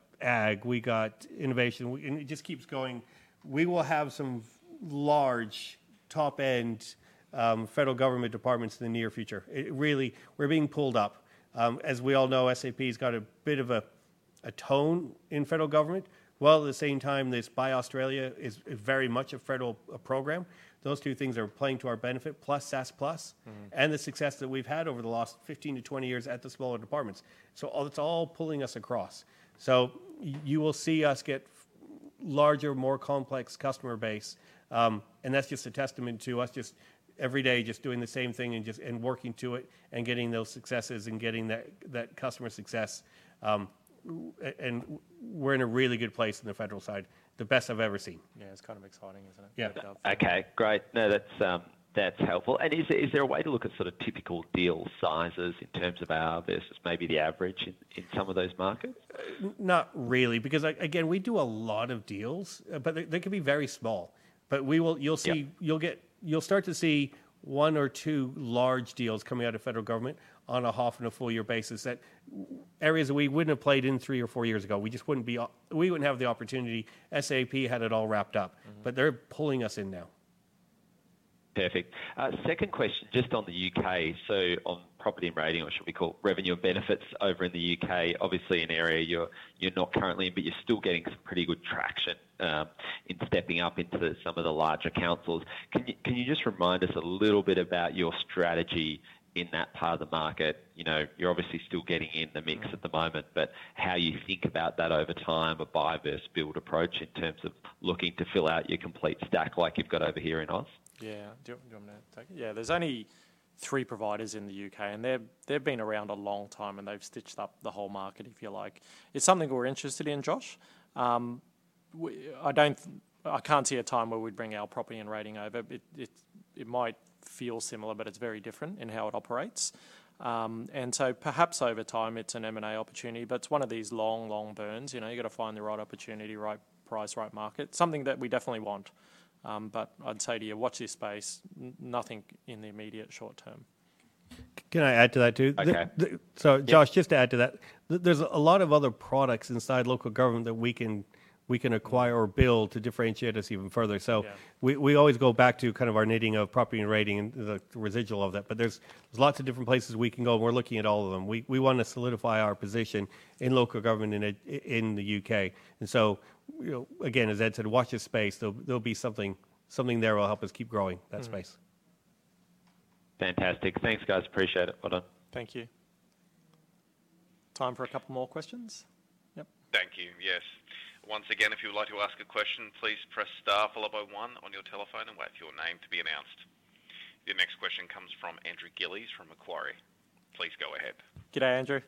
we got innovation. It just keeps going. We will have some large top-end federal government departments in the near future. Really, we are being pulled up. As we all know, SAP has got a bit of a tone in federal government. At the same time, this Buy Australia is very much a federal program. Those two things are playing to our benefit, plus SaaS Plus and the success that we have had over the last 15 years-20 years at the smaller departments. It is all pulling us across. You will see us get larger, more complex customer base. That is just a testament to us just every day just doing the same thing and working to it and getting those successes and getting that customer success. We're in a really good place on the federal side, the best I've ever seen. Yeah, it's kind of exciting, isn't it? Yeah. Okay, great. No, that's helpful. Is there a way to look at sort of typical deal sizes in terms of ARR versus maybe the average in some of those markets? Not realy, because again, we do a lot of deals, but they can be very small. You'll start to see one or two large deals coming out of federal government on a half and a full year basis, areas we wouldn't have played in three or four years ago. We just wouldn't have the opportunity. SAP had it all wrapped up, but they're pulling us in now. Perfect. Second question, just on the U.K. On property and rating, or should we call it revenue and benefits over in the U.K., obviously an area you're not currently in, but you're still getting some pretty good traction in stepping up into s me of the larger councils. Can you just remind us a little bit about your strategy in that part of the market? You're obviousl y still getting in the mix at the moment, but how you think about that over time, a buy versus build approach in terms of looking to fill out your complete stack like you've got over here in Oz? Yeah, do you want me to take it? Yeah, there's only three providers in the U.K., and they've been around a long time, and they've stitched up the whole market, if you like. It's something we're interested in, Josh. I can't see a time where we'd bring our property and rating over. It might feel similar, but it's very different in how it operates. Perhaps over time, it's an M&A opportunity, but it's one of these long, long burns. You've got to find the right opportunity, right price, right market. Something that we definitely want. I'd say to you, watch this space. Nothing in the immediate short term. Can I add to that too? Okay. Josh, just to add to that, there's a lot of other products inside local government that we can acquire or build to differentiate us even further. We always go back to kind of our knitting of property and rating and the residual of that. There's lots of different places we can go, and we're looking at all of them. We want to solidify our position in local government in the U.K. As Ed said, watch this space. There'll be something there that will help us keep growing that space. Fantastic. Thanks, guys. Appreciate it. Well done. Thank you. Time for a couple more questions? Yep. Thank you. Yes. Once again, if you would like to ask a question, please press star followed by one on your telephone and wait for your name to be announced. Your next question comes from Andrew Gillies from Macquarie. Please go ahead. G'day, Andrew.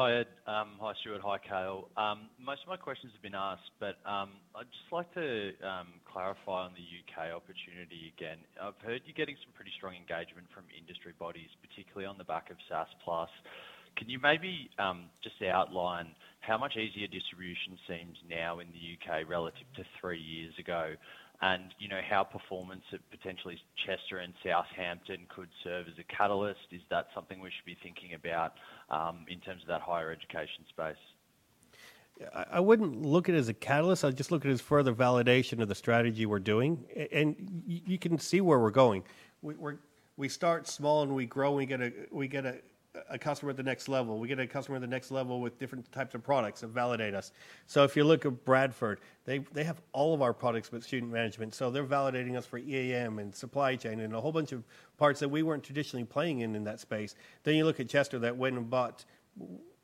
Hi, Ed. Hi, Stuart. Hi, Cale. Most of my questions have been asked, but I'd just like to clarify on the U.K. opportunity again. I've heard you're getting some pretty strong engagement from industry bodies, particularly on the back of SaaS Plus. Can you maybe just outline how much easier distribution seems now in the U.K. relative to three years ago and how performance at potentially Chester and Southampton could serve as a catalyst? Is that something we should be thinking about in terms of that higher education space? I wouldn't look at it as a catalyst. I'd just look at it as further validation of the strategy we're doing. You can see where we're going. We start small and we grow and we get a customer at the next level. We get a customer at the next level with different types of products and validate us. If you look at Bradford, they have all of our products with student management. They're validating us for EAM and supply chain and a whole bunch of parts that we weren't traditionally playing in in that space. You look at Chester that went and bought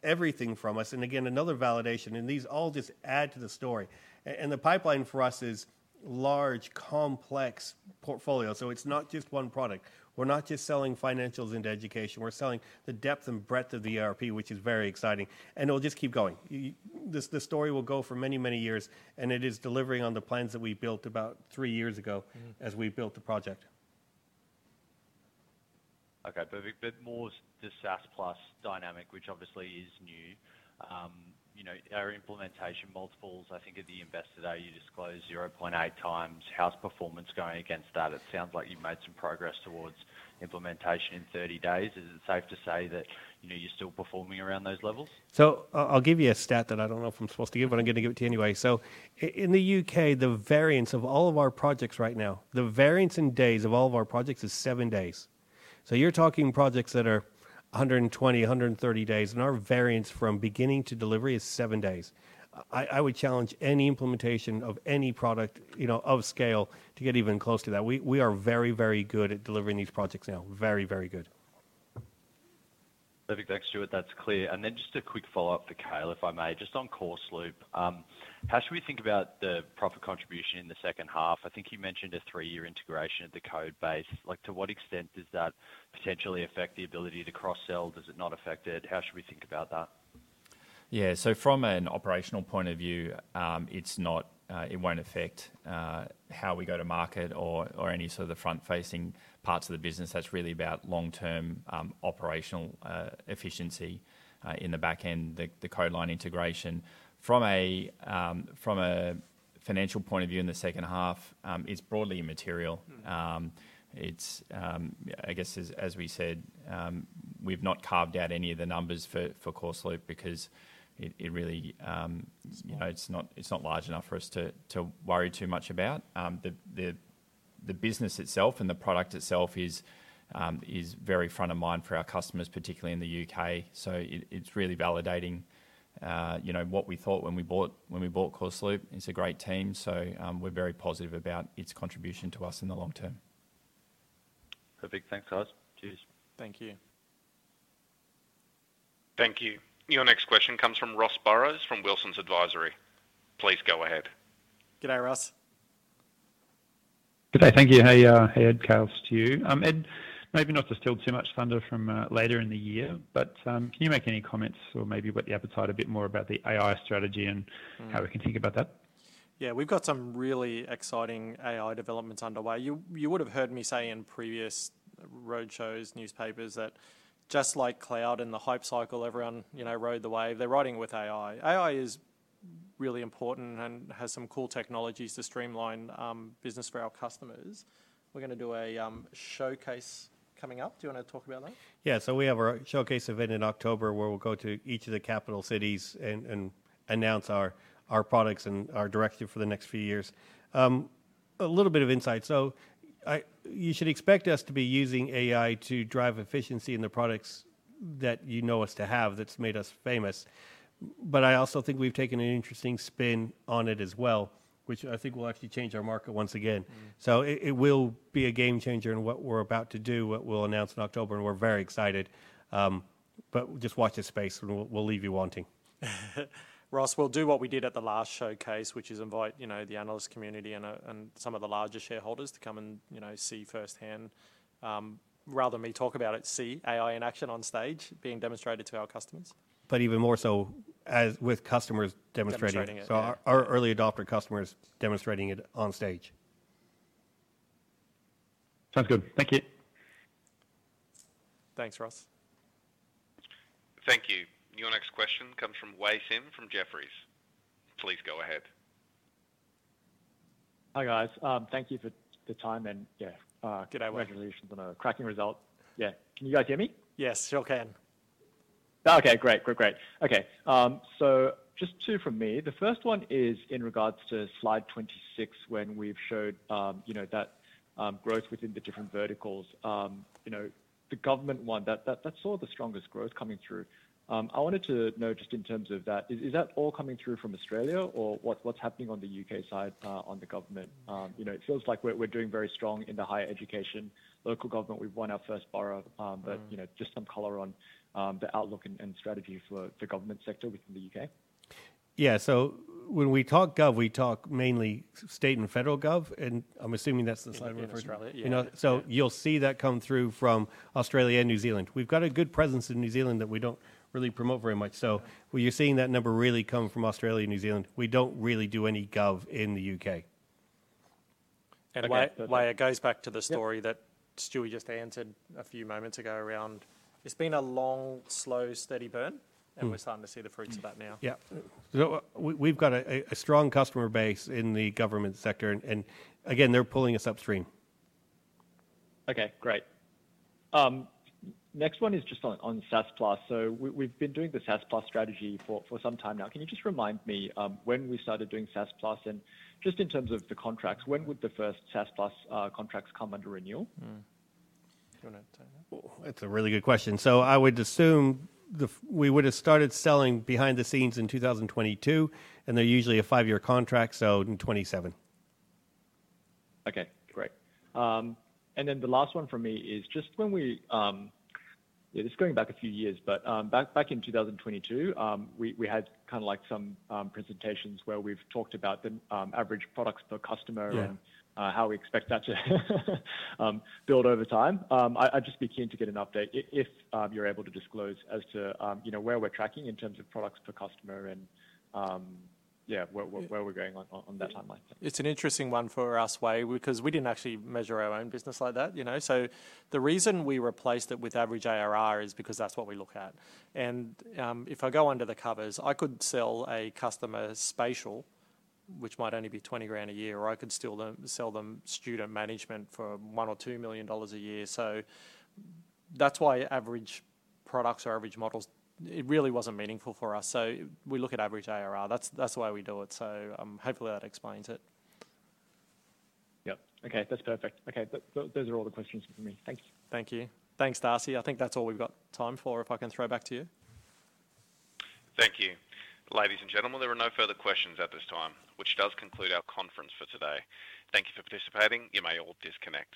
everything from us. Again, another validation. These all just add to the story. The pipeline for us is large, complex portfolio. Itis not just one product. We are not just selling financials into education. We are selling the depth and breadth of the ERP, which is very exciting. It will just keep going. The story will go for many, many years. It is delivering on the plans that we built about three years ago as we built the project. Okay, a bit more on the SaaS Plus dynamic, which obviously is new. Our implementation multiples, I think at the investor day, you disclosed 0.8x. How is performance going against that? It sounds like you have made some progress towards implementation in 30 days. Is it safe to say that you are still performing around those levels? I will give you a stat that I do not know if I am supposed to give, but I am going to give it to you anyway. In the U.K., the variance of all of our projects right now, the variance in days of all of our projects is seven days. You are talking projects that are 120, 130 days, and our variance from beginning to delivery is seven days. I would challenge any implementation of any product of scale to get even close to that. We are very, very good at delivering these projects now. Very, very good. Perfect. Thanks, Stuart. That is clear. Just a quick follow-up for Cale, if I may, just on CourseLoop. How should we think about the profit contribution in the second half? I think you mentioned a three-year integration of the code base. To what extent does that potentially affect the ability to cross-sell? Does it not affect it? How should we think about that? Yeah, so from an operational point of view, it won't affect how we go to market or any sort of the front-facing parts of the business. That's really about long-term operational efficiency in the back end, the code line integration. From a financial point of view in the second half, it's broadly immaterial. I guess, as we said, we've not carved out any of the numbers for CourseLoop because it really is not large enough for us to worry too much about. The business itself and the product itself is very front of mind for our customers, particularly in the U.K. So it's really validating what we thought when we bought CourseLoop. It's a great team. So we're very positive about its contribution to us in the long term. Perfect. Thanks, guys. Cheers. Thank you. Thank you. Your next question comes from Ross Barrows from Wilson's Advisory. Please go ahead. G'day, Ross. G'day. Thank you. Hey, Ed, Cale, Stuart. Ed, maybe not to steal too much thunder from later in the year, but can you make any comments or maybe whet the appetite a bit more about the AI strategy and how we can think about that? Yeah, we've got some really exciting AI developments underway. You would have heard me say in previous roadshows, newspapers that just like cloud and the hype cycle, everyone rode the wave. They're riding with AI. AI is really important and has some cool technologies to streamline business for our customers. We're going to do a showcase coming up. Do you want to talk about that? Yeah, so we have a showcase event in October where we'll go to each of the capital cities and announce our products and our directive for the next few years. A little bit of insight. You should expect us to be using AI to drive efficiency in the products that you know us to have that's made us famous. I also think we've taken an interesting spin on it as well, which I think will actually change our market once again. It will be a game changer in what we're about to do, what we'll announce in October, and we're very excited. Just watch this space, and we'll leave you wanting. Ross, we'll do what we did at the last showcase, which is invite the analyst community and some of the larger shareholders to come and see firsthand. Rather than me talk about it, CiA in action on stage being demonstrated to our customers. Even more so with customers demonstrating it. Our early adopter customers demonstrating it on stage. Sounds good. Thank you. Thanks, Ross. Thank you. Your next question comes from Wei Sim from Jefferies. Please go ahead. Hi, guys. Thank you for the time and, yeah, congratulations on a cracking result. Yeah. Can you guys hear me? Yes, sure can. Okay. Great. Okay. So just two from me. The first one is in regards to slide 26 when we've showed that growth within the different verticals. The government one, that saw the strongest growth coming through. I wanted to know just in terms of that, is that all coming through from Australia or what's happening on the U.K. side on the government? It feels like we're doing very strong in the higher education, local government. We've won our first borough, but just some color on the outlook and strategy for the government sector within the U.K. Yeah, so when we talk gov, we talk mainly state and federal gov, and I'm assuming that's the slide we're referring to. You'll see that come through from Australia and New Zealand. We've got a good presence in New Zealand that we don't really promote very much. You're seeing that number really come from Australia and New Zealand. We don't really do any gov in the U.K. It goes back to the story that Stuart just answered a few moments ago around it's been a long, slow, steady burn, and we're starting to see the fruits of that now. Yeah. We've got a strong customer base in the government sector, and again, they're pulling us upstream. Okay, great. Next one is just on SaaS Plus. We've been doing the SaaS Plus strategy for some time now. Can you just remind me when we started doing SaaS Plus? And just in terms of the contracts, when would the first SaaS Plus contracts come under renewal? Do you want to take that? It's a really good question. I would assume we would have started selling behind the scenes in 2022, and they're usually a five-year contract, so in 2027. Okay, great. The last one for me is just when we, yeah, this is going back a few years, but back in 2022, we had kind of like some presentations where we've talked about the average products per customer and how we expect that to build over time. I'd just be keen to get an update if you're able to disclose as to where we're tracking in terms of products per customer and, yeah, where we're going on that timeline. It's an interesting one for us, Way, because we didn't actually measure our own business like that. The reason we replaced it with average ARR is because that's what we look at. If I go under the covers, I could sell a customer spatial, which might only be 20,000 a year, or I could sell them student management for 1 million or 2 million dollars a year. That's why average products or average models, it really wasn't meaningful for us. We look at average ARR. That's why we do it. Hopefully that explains it. Yep. Okay, that's perfect. Okay, those are all the questions from me. Thanks. Thank you. Thanks, Darcy. I think that's all we've got time for if I can throw back to you. Thank you. Ladies and gentlemen, there are no further questions at this time, which does conclude our conference for today. Thank you for participating. You may all disconnect.